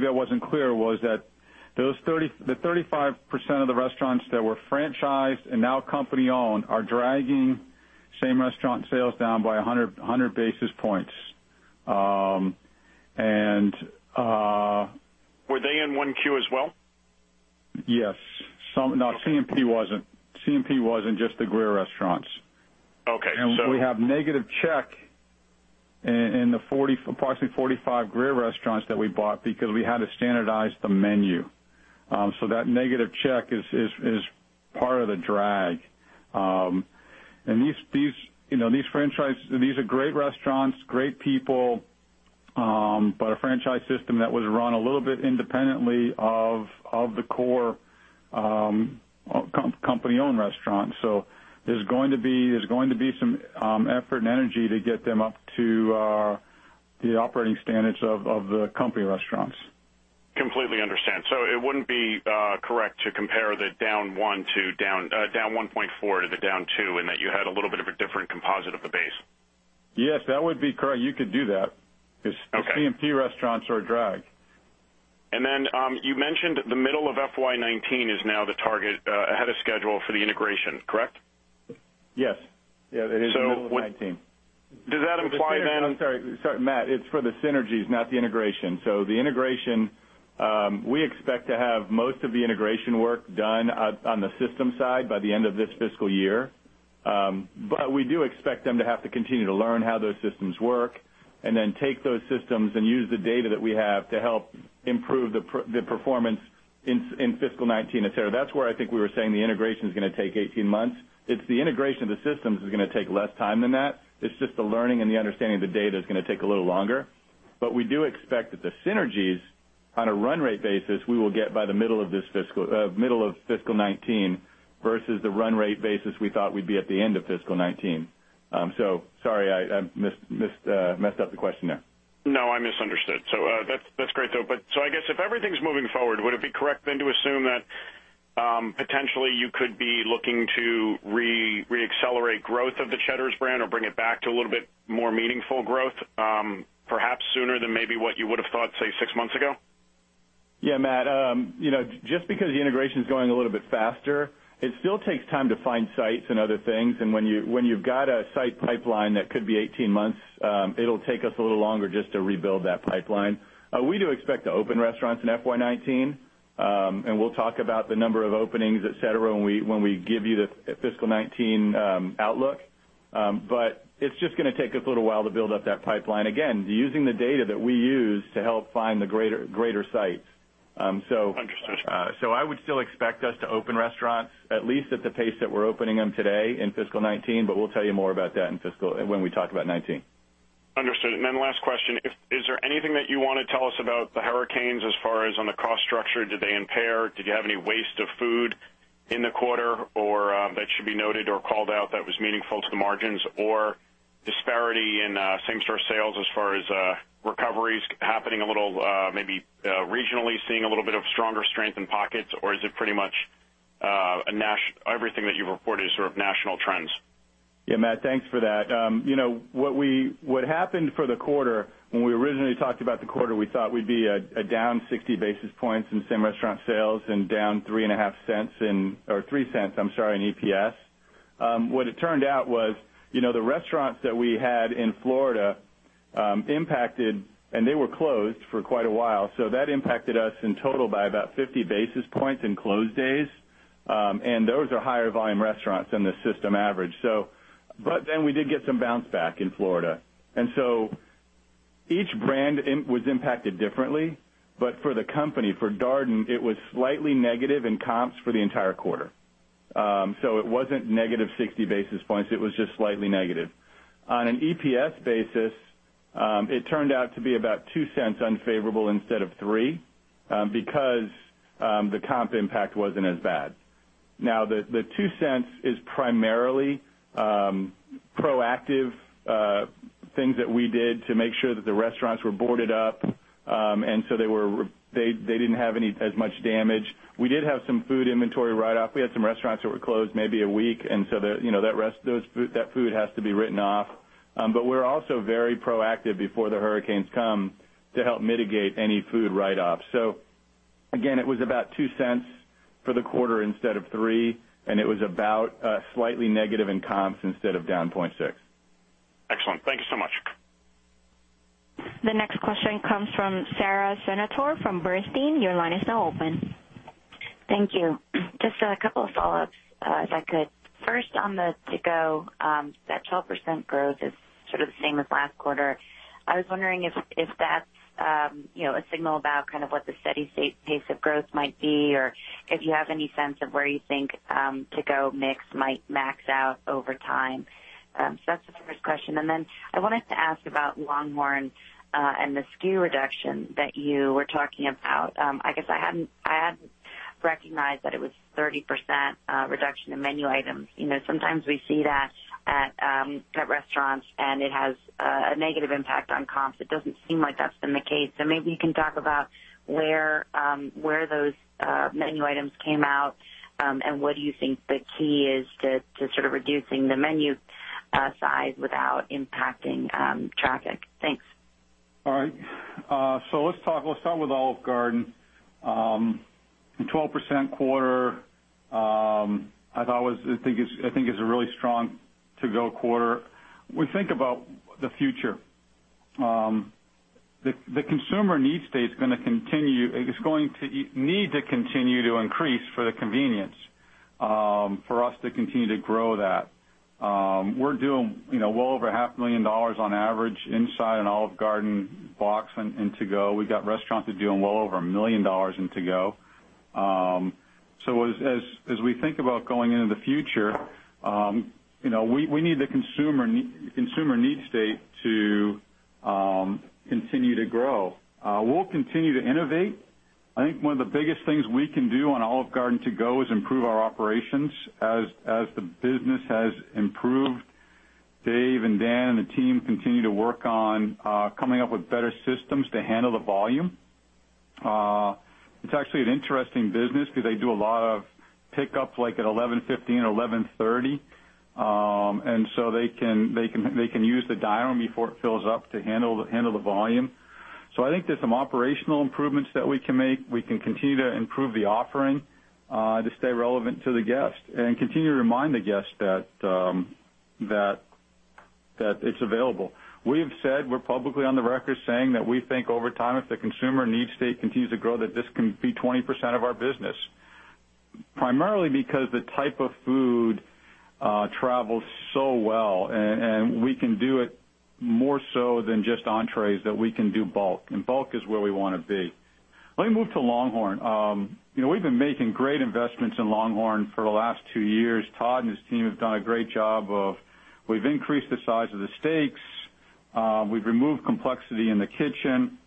wasn't clear, was that the 35% of the restaurants that were franchised and now company-owned are dragging same-restaurant sales down by 100 basis points. Were they in 1Q as well? Yes. No, CMP wasn't. Just the Greer Companies. Okay. We have negative check in the approximately 45 Greer restaurants that we bought because we had to standardize the menu. That negative check is part of the drag. These are great restaurants, great people, but a franchise system that was run a little bit independently of the core company-owned restaurants. There's going to be some effort and energy to get them up to the operating standards of the company restaurants. Completely understand. It wouldn't be correct to compare the down 1.4% to the down 2%, and that you had a little bit of a different composite of the base? Yes, that would be correct. You could do that. Okay. Because CMP restaurants are a drag. You mentioned the middle of FY 2019 is now the target ahead of schedule for the integration, correct? Yes. It is the middle of 2019. Does that imply? I'm sorry, Matt, it's for the synergies, not the integration. The integration, we expect to have most of the integration work done on the system side by the end of this fiscal year. We do expect them to have to continue to learn how those systems work and then take those systems and use the data that we have to help improve the performance in fiscal 2019, et cetera. That's where I think we were saying the integration is going to take 18 months. It's the integration of the systems is going to take less time than that. It's just the learning and the understanding of the data is going to take a little longer. We do expect that the synergies on a run rate basis, we will get by the middle of fiscal 2019 versus the run rate basis we thought we'd be at the end of fiscal 2019. Sorry, I messed up the question there. No, I misunderstood. That's great, though. I guess if everything's moving forward, would it be correct then to assume that potentially you could be looking to re-accelerate growth of the Cheddar's brand or bring it back to a little bit more meaningful growth perhaps sooner than maybe what you would have thought, say, six months ago? Yeah, Matt. Just because the integration's going a little bit faster, it still takes time to find sites and other things, when you've got a site pipeline that could be 18 months, it'll take us a little longer just to rebuild that pipeline. We do expect to open restaurants in FY 2019. We'll talk about the number of openings, et cetera, when we give you the fiscal 2019 outlook. It's just going to take us a little while to build up that pipeline. Again, using the data that we use to help find the greater sites. Understood. I would still expect us to open restaurants at least at the pace that we're opening them today in fiscal 2019, we'll tell you more about that when we talk about 2019. Understood. Last question, is there anything that you want to tell us about the hurricanes as far as on the cost structure? Did they impair? Did you have any waste of food in the quarter that should be noted or called out that was meaningful to the margins or disparity in same-store sales as far as recoveries happening a little, maybe regionally seeing a little bit of stronger strength in pockets or is it pretty much everything that you've reported is sort of national trends? Yeah, Matt, thanks for that. What happened for the quarter, when we originally talked about the quarter, we thought we'd be down 60 basis points in same-restaurant sales and down $0.03 in EPS. What it turned out was, the restaurants that we had in Florida impacted, they were closed for quite a while, that impacted us in total by about 50 basis points in closed days. Those are higher volume restaurants than the system average. We did get some bounce back in Florida. Each brand was impacted differently. For the company, for Darden, it was slightly negative in comps for the entire quarter. It wasn't negative 60 basis points, it was just slightly negative. On an EPS basis, it turned out to be about $0.02 unfavorable instead of $0.03 because the comp impact wasn't as bad. The $0.02 is primarily proactive things that we did to make sure that the restaurants were boarded up. They didn't have as much damage. We did have some food inventory write-off. We had some restaurants that were closed maybe a week, and that food has to be written off. We're also very proactive before the hurricanes come to help mitigate any food write-offs. Again, it was about $0.02 for the quarter instead of $0.03, and it was about slightly negative in comps instead of down 0.6%. Excellent. Thank you so much. The next question comes from Sara Senatore from Bernstein. Your line is now open. Thank you. Just a couple of follow-ups if I could. First on the to-go, that 12% growth is sort of the same as last quarter. I was wondering if that's a signal about what the steady state pace of growth might be or if you have any sense of where you think to-go mix might max out over time. That's the first question. Then I wanted to ask about LongHorn, and the SKU reduction that you were talking about. I guess I hadn't recognized that it was 30% reduction in menu items. Sometimes we see that at restaurants, and it has a negative impact on comps. It doesn't seem like that's been the case. Maybe you can talk about where those menu items came out, and what do you think the key is to sort of reducing the menu size without impacting traffic? Thanks. All right. Let's start with Olive Garden. The 12% quarter, I think is a really strong to-go quarter. We think about the future The consumer need state is going to need to continue to increase for the convenience for us to continue to grow that. We're doing well over half a million dollars on average inside an Olive Garden box in To Go. We've got restaurants that are doing well over $1 million in To Go. As we think about going into the future, we need the consumer need state to continue to grow. We'll continue to innovate. I think one of the biggest things we can do on Olive Garden To Go is improve our operations. As the business has improved, Dave and Dan and the team continue to work on coming up with better systems to handle the volume. It's actually an interesting business because they do a lot of pickup like at 11:15 A.M. or 11:30 A.M.. They can use the diner before it fills up to handle the volume. I think there's some operational improvements that we can make. We can continue to improve the offering to stay relevant to the guest and continue to remind the guest that it's available. We've said, we're publicly on the record saying that we think over time, if the consumer need state continues to grow, that this can be 20% of our business. Primarily because the type of food travels so well, and we can do it more so than just entrees, that we can do bulk, and bulk is where we want to be. Let me move to LongHorn. We've been making great investments in LongHorn for the last two years. Todd and his team have done a great job of, we've increased the size of the steaks, we've removed complexity in the kitchen,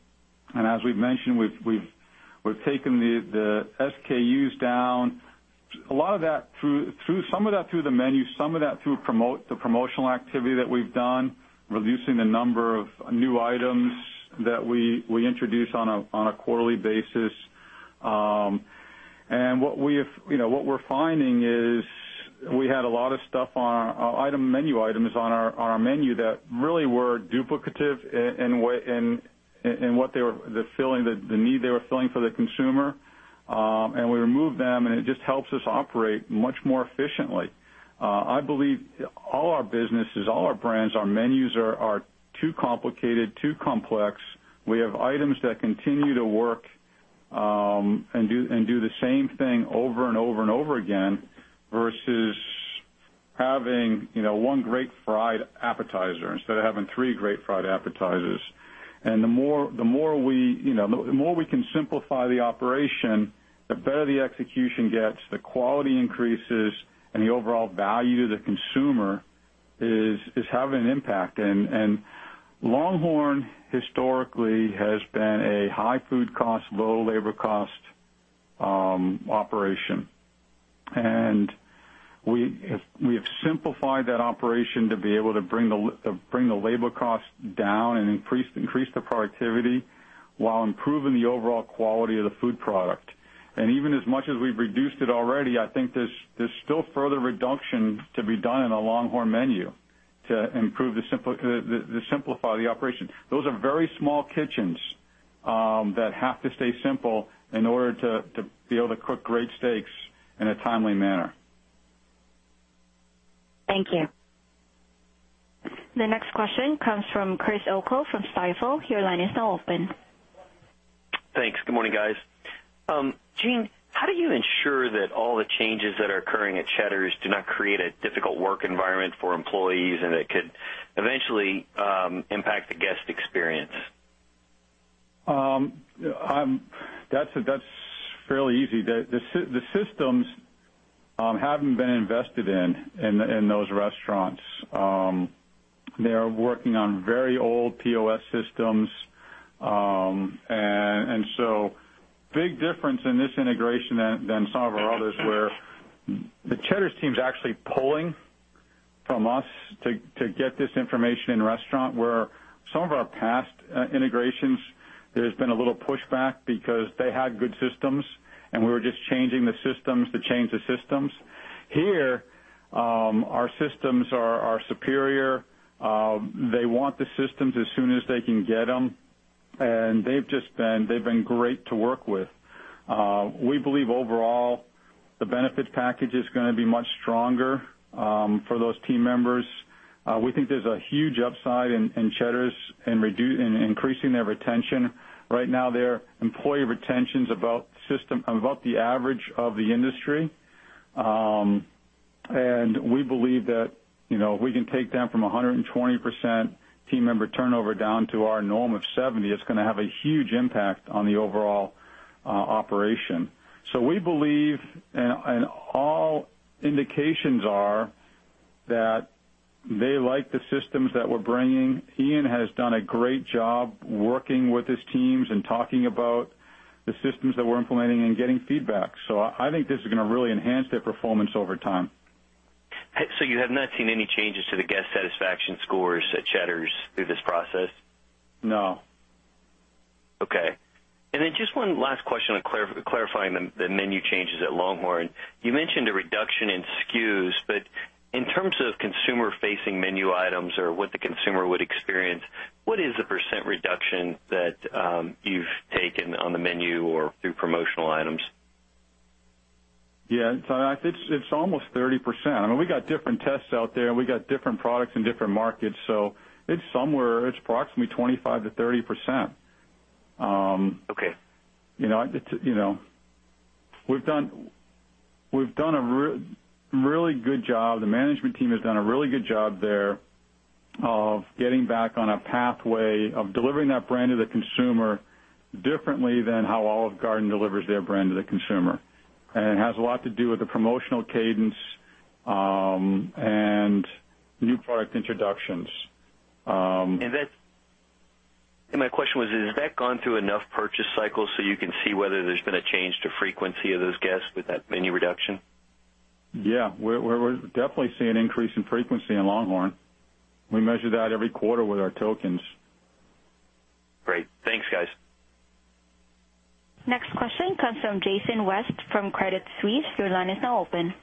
as we've mentioned, we've taken the SKUs down. Some of that through the menu, some of that through the promotional activity that we've done, reducing the number of new items that we introduce on a quarterly basis. What we're finding is we had a lot of menu items on our menu that really were duplicative in the need they were filling for the consumer. We removed them, and it just helps us operate much more efficiently. I believe all our businesses, all our brands, our menus are too complicated, too complex. We have items that continue to work and do the same thing over and over and over again, versus having one great fried appetizer instead of having three great fried appetizers. The more we can simplify the operation, the better the execution gets, the quality increases, and the overall value to the consumer is having an impact. LongHorn historically has been a high food cost, low labor cost operation. We have simplified that operation to be able to bring the labor cost down and increase the productivity while improving the overall quality of the food product. Even as much as we've reduced it already, I think there's still further reduction to be done in the LongHorn menu to improve and simplify the operation. Those are very small kitchens that have to stay simple in order to be able to cook great steaks in a timely manner. Thank you. The next question comes from Chris O'Cull from Stifel. Your line is now open. Thanks. Good morning, guys. Gene, how do you ensure that all the changes that are occurring at Cheddar's do not create a difficult work environment for employees and that could eventually impact the guest experience? That's fairly easy. The systems haven't been invested in those restaurants. They are working on very old POS systems. Big difference in this integration than some of our others where the Cheddar's team's actually pulling from us to get this information in restaurant, where some of our past integrations, there's been a little pushback because they had good systems, and we were just changing the systems to change the systems. Here, our systems are superior. They want the systems as soon as they can get them, and they've been great to work with. We believe overall the benefits package is going to be much stronger for those team members. We think there's a huge upside in Cheddar's in increasing their retention. Right now, their employee retention's about the average of the industry. We believe that if we can take them from 120% team member turnover down to our norm of 70, it's going to have a huge impact on the overall operation. We believe, and all indications are that they like the systems that we're bringing. Ian has done a great job working with his teams and talking about the systems that we're implementing and getting feedback. I think this is going to really enhance their performance over time. You have not seen any changes to the guest satisfaction scores at Cheddar's through this process? No. Okay. Just one last question clarifying the menu changes at LongHorn. You mentioned a reduction in SKUs, but in terms of consumer-facing menu items or what the consumer would experience, what is the % reduction that you've taken on the menu or through promotional items? Yeah. It's almost 30%. We got different tests out there, and we got different products in different markets. It's approximately 25%-30%. Okay. The management team has done a really good job there of getting back on a pathway of delivering that brand to the consumer differently than how Olive Garden delivers their brand to the consumer. It has a lot to do with the promotional cadence, and new product introductions. My question was, has that gone through enough purchase cycles so you can see whether there's been a change to frequency of those guests with that menu reduction? Yeah. We're definitely seeing increase in frequency in LongHorn. We measure that every quarter with our tokens. Great. Thanks, guys. Next question comes from Jason West from Credit Suisse. Your line is now open.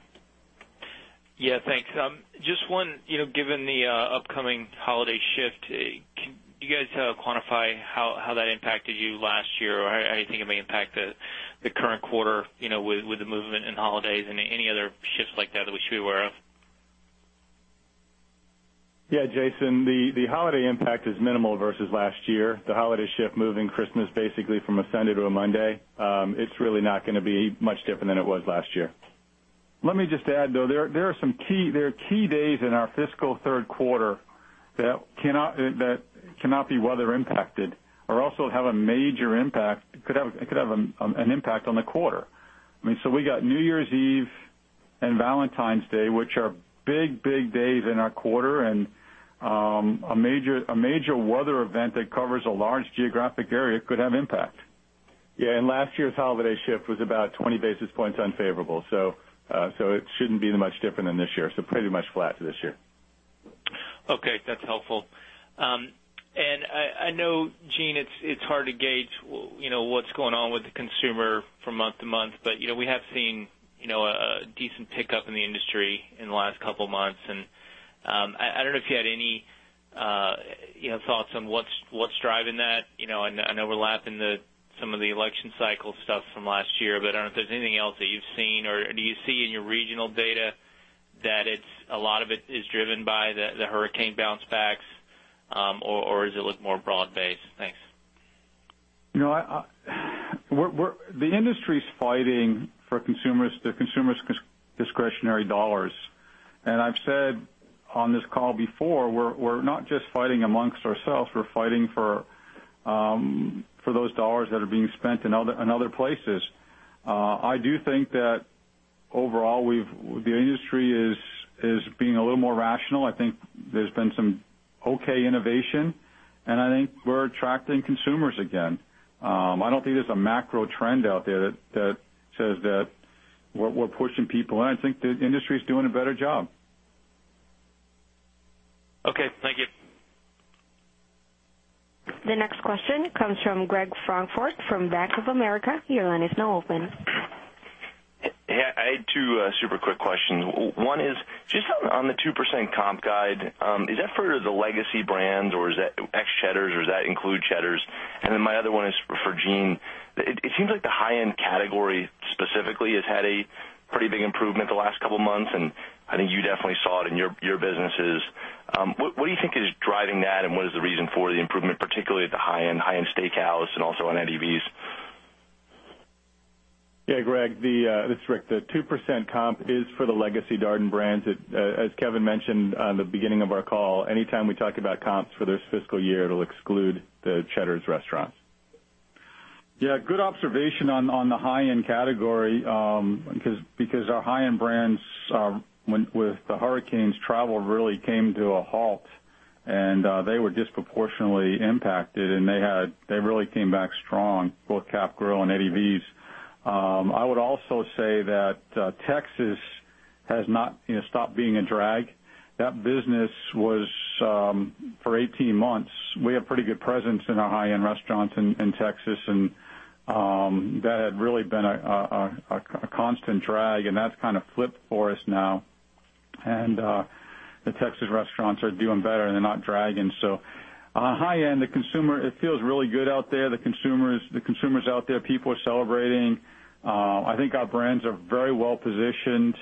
Yeah. Thanks. Given the upcoming holiday shift, can you guys quantify how that impacted you last year, or how you think it may impact the current quarter with the movement in holidays and any other shifts like that we should be aware of? Yeah, Jason, the holiday impact is minimal versus last year. The holiday shift moving Christmas basically from a Sunday to a Monday, it's really not going to be much different than it was last year. Let me just add, though, there are key days in our fiscal third quarter that cannot be weather impacted or also have a major impact, could have an impact on the quarter. We got New Year's Eve and Valentine's Day, which are big days in our quarter. A major weather event that covers a large geographic area could have impact. Yeah. Last year's holiday shift was about 20 basis points unfavorable. It shouldn't be much different than this year, so pretty much flat to this year. Okay. That's helpful. I know, Gene, it's hard to gauge what's going on with the consumer from month to month, but we have seen a decent pickup in the industry in the last couple of months. I don't know if you had any thoughts on what's driving that, and overlapping some of the election cycle stuff from last year. I don't know if there's anything else that you've seen, or do you see in your regional data that a lot of it is driven by the hurricane bounce backs, or does it look more broad-based? Thanks. The industry's fighting for the consumer's discretionary dollars. I've said on this call before, we're not just fighting amongst ourselves, we're fighting for those dollars that are being spent in other places. I do think that overall, the industry is being a little more rational. I think there's been some okay innovation, and I think we're attracting consumers again. I don't think there's a macro trend out there that says that we're pushing people, and I think the industry's doing a better job. Okay. Thank you. The next question comes from Gregory Francfort from Bank of America. Your line is now open. Hey. I had two super quick questions. One is just on the 2% comp guide. Is that for the legacy brands or is that ex-Cheddar's, or does that include Cheddar's? My other one is for Gene. It seems like the high-end category specifically has had a pretty big improvement the last couple of months, and I think you definitely saw it in your businesses. What do you think is driving that, and what is the reason for the improvement, particularly at the high-end steakhouse and also on Eddie V's? Yeah, Greg. This is Rick. The 2% comp is for the legacy Darden brands. As Kevin mentioned on the beginning of our call, anytime we talk about comps for this fiscal year, it'll exclude the Cheddar's restaurants. Yeah. Good observation on the high-end category, because our high-end brands, with the hurricanes, travel really came to a halt, and they were disproportionately impacted, and they really came back strong, both Capital Grille and Eddie V's. I would also say that Texas has not stopped being a drag. That business was for 18 months. We have pretty good presence in our high-end restaurants in Texas, and that had really been a constant drag, and that's kind of flipped for us now. The Texas restaurants are doing better and they're not dragging. On the high-end, the consumer, it feels really good out there. The consumers out there, people are celebrating. I think our brands are very well-positioned.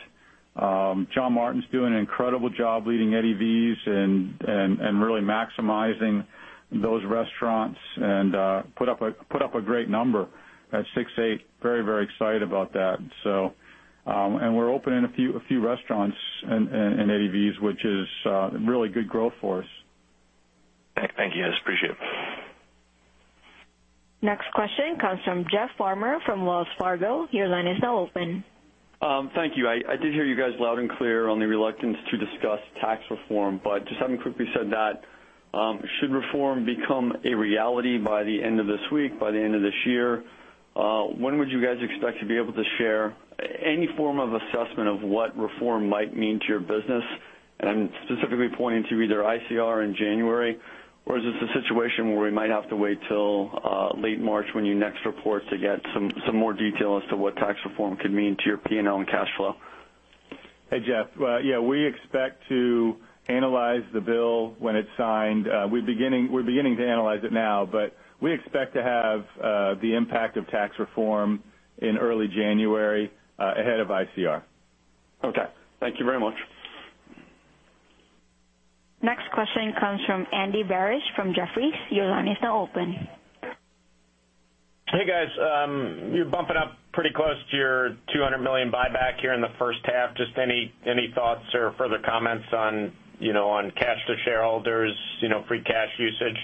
John Martin's doing an incredible job leading Eddie V's and really maximizing those restaurants and put up a great number at 6.8%. Very excited about that. We're opening a few restaurants in Eddie V's, which is really good growth for us. Thank you, guys. Appreciate it. Next question comes from Jeff Farmer from Wells Fargo. Your line is now open. Thank you. I did hear you guys loud and clear on the reluctance to discuss tax reform. Just having quickly said that, should reform become a reality by the end of this week, by the end of this year, when would you guys expect to be able to share any form of assessment of what reform might mean to your business? I'm specifically pointing to either ICR in January, or is this a situation where we might have to wait till late March when you next report to get some more detail as to what tax reform could mean to your P&L and cash flow? Hey, Jeff. We expect to analyze the bill when it's signed. We're beginning to analyze it now. We expect to have the impact of tax reform in early January, ahead of ICR. Thank you very much. Next question comes from Andy Barish from Jefferies. Your line is now open. Hey, guys. You're bumping up pretty close to your $200 million buyback here in the first half. Just any thoughts or further comments on cash to shareholders, free cash usage?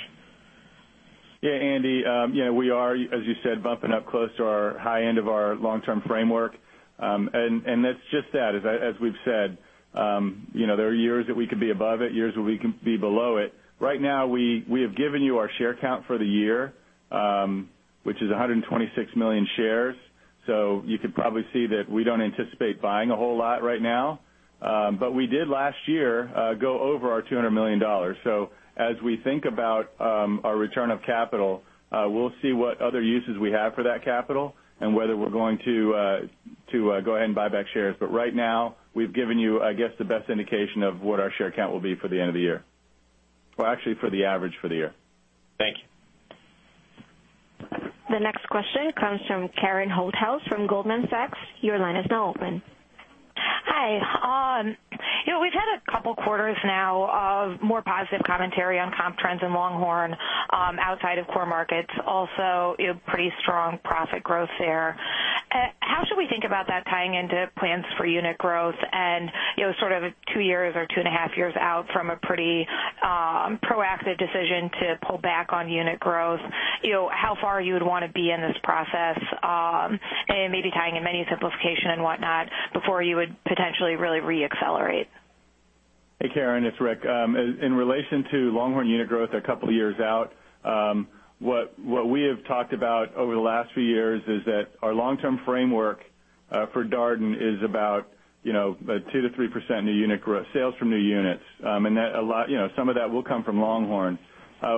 Yeah, Andy, we are, as you said, bumping up close to our high end of our long-term framework. That's just that. As we've said, there are years that we could be above it, years where we can be below it. Right now, we have given you our share count for the year, which is 126 million shares. You could probably see that we don't anticipate buying a whole lot right now. We did last year, go over our $200 million. As we think about our return of capital, we'll see what other uses we have for that capital and whether we're going to go ahead and buy back shares. Right now, we've given you, I guess, the best indication of what our share count will be for the end of the year. Well, actually for the average for the year. Thank you. The next question comes from Karen Holthouse from Goldman Sachs. Your line is now open. Hi. We've had a couple of quarters now of more positive commentary on comp trends in LongHorn, outside of core markets, also pretty strong profit growth there. How should we think about that tying into plans for unit growth and sort of two years or two and a half years out from a pretty proactive decision to pull back on unit growth, how far you would want to be in this process, and maybe tying in menu simplification and whatnot before you would potentially really re-accelerate? Hey, Karen, it's Rick. In relation to LongHorn unit growth a couple of years out, what we have talked about over the last few years is that our long-term framework for Darden is about 2% to 3% new unit growth, sales from new units. Some of that will come from LongHorn.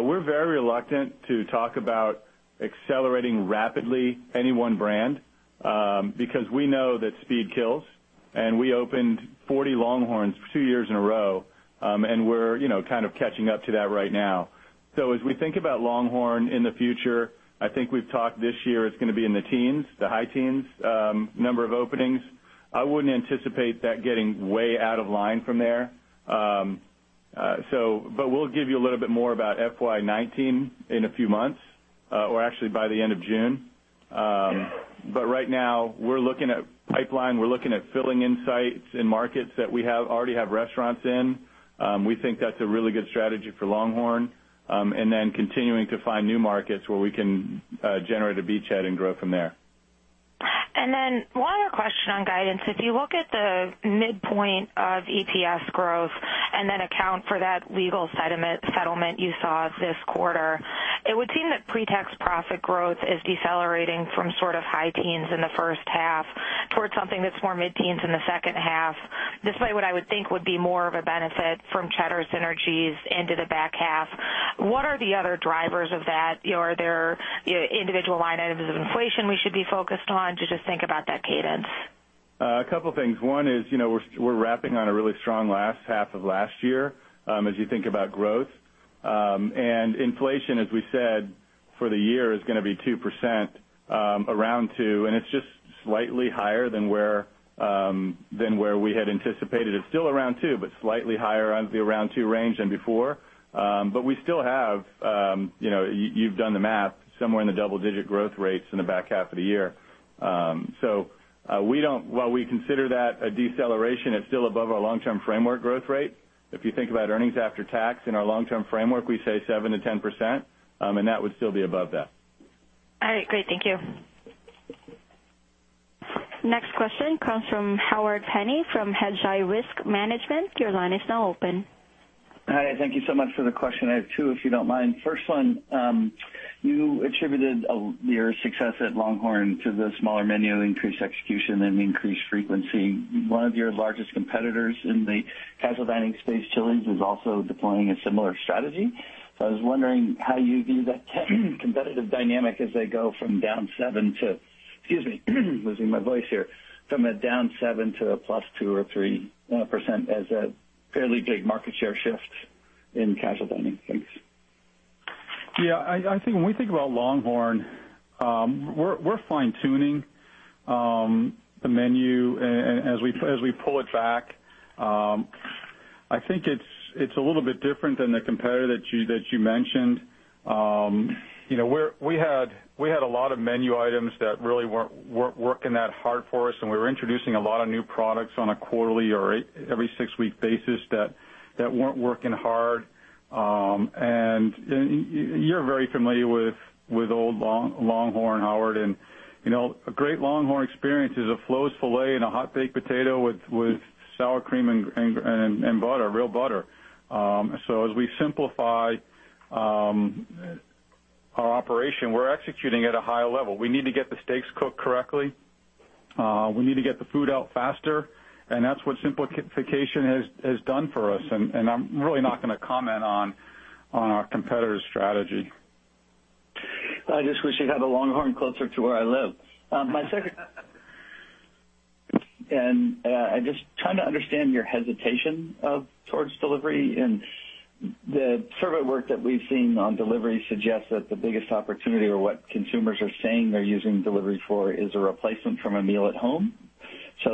We're very reluctant to talk about accelerating rapidly any one brand, because we know that speed kills, and we opened 40 LongHorns two years in a row, and we're kind of catching up to that right now. As we think about LongHorn in the future, I think we've talked this year it's going to be in the teens, the high teens, number of openings. I wouldn't anticipate that getting way out of line from there. We'll give you a little bit more about FY 2019 in a few months or actually by the end of June. Right now we're looking at pipeline. We're looking at filling in sites in markets that we already have restaurants in. We think that's a really good strategy for LongHorn, and then continuing to find new markets where we can generate a beachhead and grow from there. One other question on guidance. If you look at the midpoint of EPS growth and then account for that legal settlement you saw this quarter, it would seem that pre-tax profit growth is decelerating from sort of high teens in the first half towards something that's more mid-teens in the second half, despite what I would think would be more of a benefit from Cheddar synergies into the back half. What are the other drivers of that? Are there individual line items of inflation we should be focused on to just think about that cadence? A couple of things. One is, we're wrapping on a really strong last half of last year as you think about growth. Inflation, as we said, for the year is going to be 2%, around 2%, and it's just slightly higher than where we had anticipated. It's still around 2%, slightly higher on the around 2% range than before. We still have, you've done the math, somewhere in the double-digit growth rates in the back half of the year. While we consider that a deceleration, it's still above our long-term framework growth rate. If you think about earnings after tax in our long-term framework, we say 7%-10%, that would still be above that. All right. Great. Thank you. Next question comes from Howard Penney from Hedgeye Risk Management. Your line is now open. Hi. Thank you so much for the question. I have two, if you don't mind. First one, you attributed your success at LongHorn to the smaller menu, increased execution, and increased frequency. One of your largest competitors in the casual dining space, Chili's, is also deploying a similar strategy. I was wondering how you view that competitive dynamic as they go from a down 7% to a +2% or +3% as a fairly big market share shift in casual dining. Thanks. Yeah. When we think about LongHorn, we're fine-tuning the menu as we pull it back. I think it's a little bit different than the competitor that you mentioned. We had a lot of menu items that really weren't working that hard for us, and we were introducing a lot of new products on a quarterly or every 6-week basis that weren't working hard. You're very familiar with old LongHorn, Howard, and a great LongHorn experience is a Flo's Filet and a hot baked potato with sour cream and butter, real butter. As we simplify our operation, we're executing at a higher level. We need to get the steaks cooked correctly. We need to get the food out faster. That's what simplification has done for us. I'm really not going to comment on our competitor's strategy. I just wish you'd have a LongHorn closer to where I live. I'm just trying to understand your hesitation towards delivery. The survey work that we've seen on delivery suggests that the biggest opportunity or what consumers are saying they're using delivery for is a replacement from a meal at home.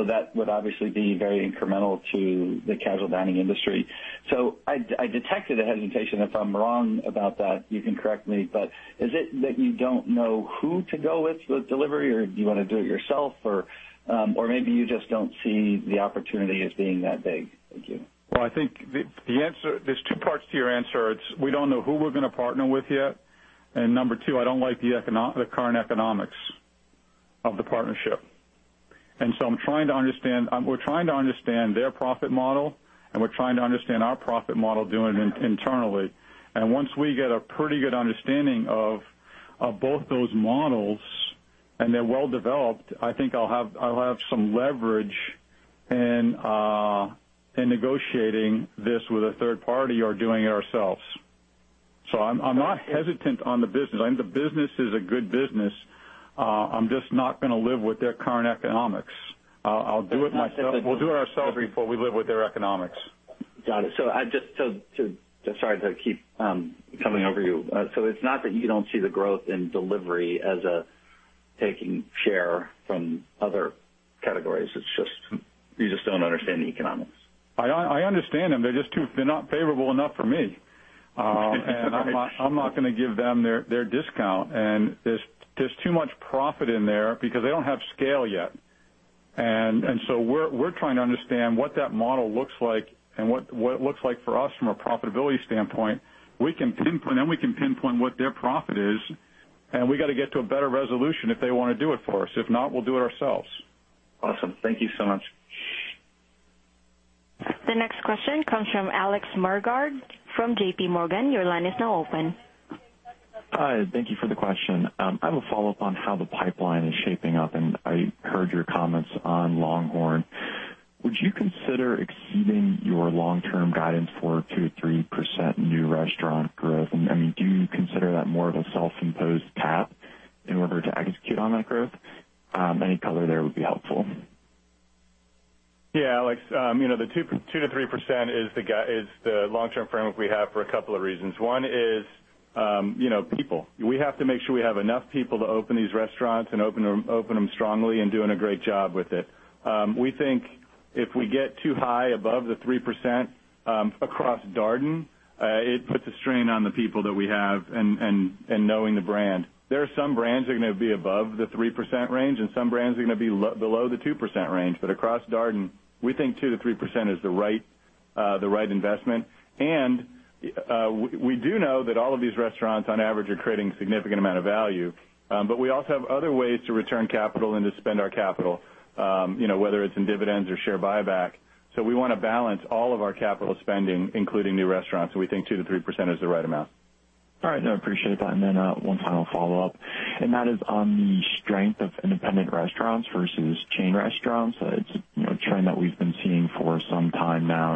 That would obviously be very incremental to the casual dining industry. I detected a hesitation. If I'm wrong about that, you can correct me, but is it that you don't know who to go with delivery or do you want to do it yourself? Or maybe you just don't see the opportunity as being that big. Thank you. Well, I think there's two parts to your answer. It's we don't know who we're going to partner with yet, and number 2, I don't like the current economics of the partnership. We're trying to understand their profit model, and we're trying to understand our profit model, doing it internally. Once we get a pretty good understanding of both those models and they're well developed, I think I'll have some leverage in negotiating this with a third party or doing it ourselves. I'm not hesitant on the business. The business is a good business. I'm just not going to live with their current economics. We'll do it ourselves before we live with their economics. Got it. Sorry to keep coming over you. It's not that you don't see the growth in delivery as taking share from other categories. It's just you just don't understand the economics. I understand them. They're just not favorable enough for me. I'm not going to give them their discount. There's too much profit in there because they don't have scale yet. We're trying to understand what that model looks like and what it looks like for us from a profitability standpoint. We can pinpoint what their profit is, and we got to get to a better resolution if they want to do it for us. If not, we'll do it ourselves. Awesome. Thank you so much. The next question comes from Alex Mergard from J.P. Morgan. Your line is now open. Hi, thank you for the question. I have a follow-up on how the pipeline is shaping up, and I heard your comments on LongHorn. Would you consider exceeding your long-term guidance for 2%-3% new restaurant growth? Do you consider that more of a self-imposed cap in order to execute on that growth? Any color there would be helpful. Yeah. Alex, the 2%-3% is the long-term framework we have for a couple of reasons. One is people. We have to make sure we have enough people to open these restaurants and open them strongly and doing a great job with it. We think if we get too high above the 3% across Darden, it puts a strain on the people that we have and knowing the brand. There are some brands that are going to be above the 3% range and some brands are going to be below the 2% range. Across Darden, we think 2%-3% is the right investment. We do know that all of these restaurants on average are creating significant amount of value. We also have other ways to return capital and to spend our capital, whether it's in dividends or share buyback. We want to balance all of our capital spending, including new restaurants, so we think 2%-3% is the right amount. All right. No, I appreciate that. One final follow-up, and that is on the strength of independent restaurants versus chain restaurants. It's a trend that we've been seeing for some time now.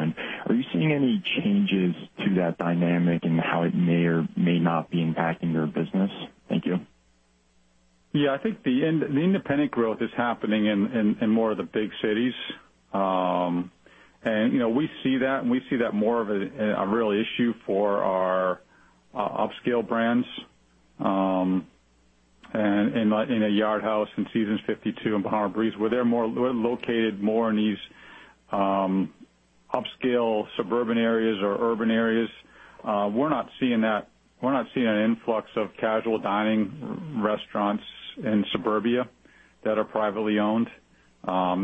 Are you seeing any changes to that dynamic and how it may or may not be impacting your business? Thank you. Yeah, I think the independent growth is happening in more of the big cities. We see that, and we see that more of a real issue for our upscale brands. In a Yard House, in Seasons 52 and Bahama Breeze, where they're located more in these upscale suburban areas or urban areas. We're not seeing an influx of casual dining restaurants in suburbia that are privately owned.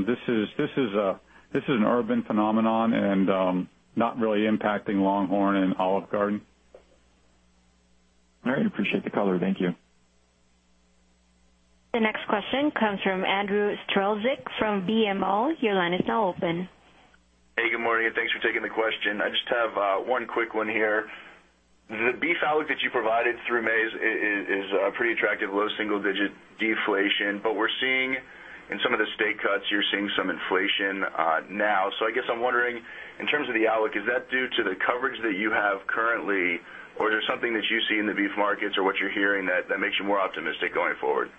This is an urban phenomenon and not really impacting LongHorn and Olive Garden. All right. Appreciate the color. Thank you. The next question comes from Andrew Strelzik from BMO. Your line is now open. Hey, good morning. Thanks for taking the question. I just have one quick one here. The beef outlook that you provided through May is a pretty attractive low single digit deflation. We're seeing in some of the steak cuts, you're seeing some inflation now. I guess I'm wondering, in terms of the outlook, is that due to the coverage that you have currently, or is there something that you see in the beef markets or what you're hearing that makes you more optimistic going forward?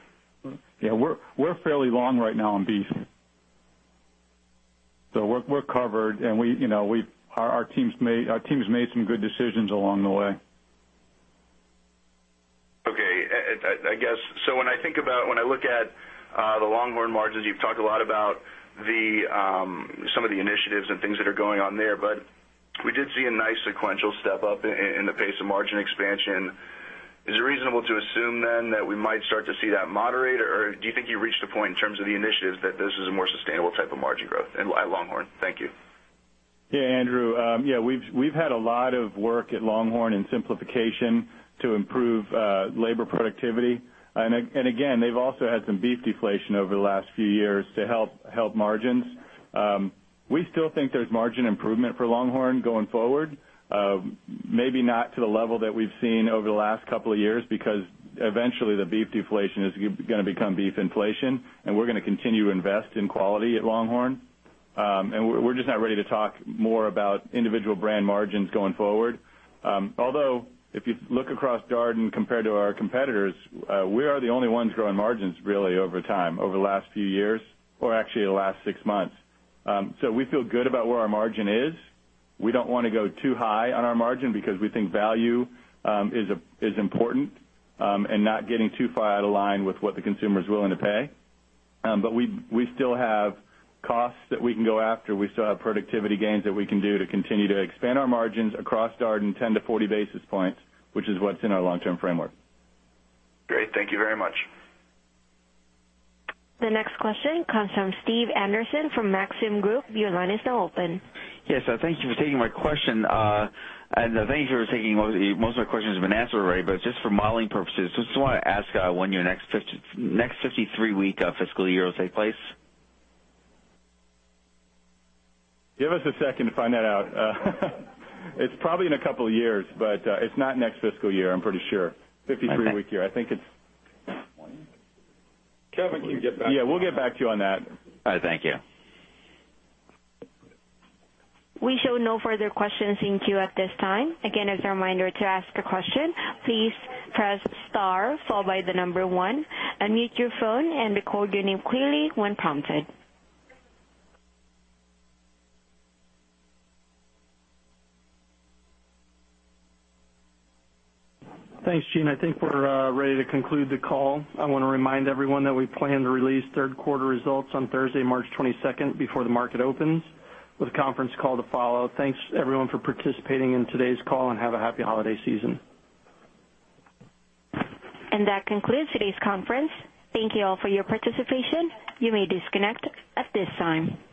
Yeah, we're fairly long right now on beef. We're covered, our teams made some good decisions along the way. When I look at the LongHorn margins, you've talked a lot about some of the initiatives and things that are going on there. We did see a nice sequential step up in the pace of margin expansion. Is it reasonable to assume then that we might start to see that moderate, or do you think you reached a point in terms of the initiatives that this is a more sustainable type of margin growth at LongHorn? Thank you. Yeah, Andrew. We've had a lot of work at LongHorn in simplification to improve labor productivity. Again, they've also had some beef deflation over the last few years to help margins. We still think there's margin improvement for LongHorn going forward. Maybe not to the level that we've seen over the last couple of years, because eventually the beef deflation is going to become beef inflation, and we're going to continue to invest in quality at LongHorn. We're just not ready to talk more about individual brand margins going forward. Although, if you look across Darden compared to our competitors, we are the only ones growing margins really over time, over the last few years, or actually the last six months. We feel good about where our margin is. We don't want to go too high on our margin because we think value is important and not getting too far out of line with what the consumer is willing to pay. We still have costs that we can go after. We still have productivity gains that we can do to continue to expand our margins across Darden 10 to 40 basis points, which is what's in our long-term framework. Great. Thank you very much. The next question comes from Stephen Anderson from Maxim Group. Your line is now open. Yes, thank you for taking my question. Thank you for taking most of my questions have been answered already. Just for modeling purposes, just want to ask when your next 53-week fiscal year will take place. Give us a second to find that out. It's probably in a couple of years, it's not next fiscal year, I'm pretty sure. 53-week year. I think it's Kevin, can you get back to him on that? Yeah, we'll get back to you on that. All right, thank you. We show no further questions in queue at this time. Again, as a reminder to ask a question, please press star followed by the number 1. Unmute your phone and record your name clearly when prompted. Thanks, Gene. I think we're ready to conclude the call. I want to remind everyone that we plan to release third quarter results on Thursday, March 22nd, before the market opens with a conference call to follow. Thanks everyone for participating in today's call, and have a happy holiday season. That concludes today's conference. Thank you all for your participation. You may disconnect at this time.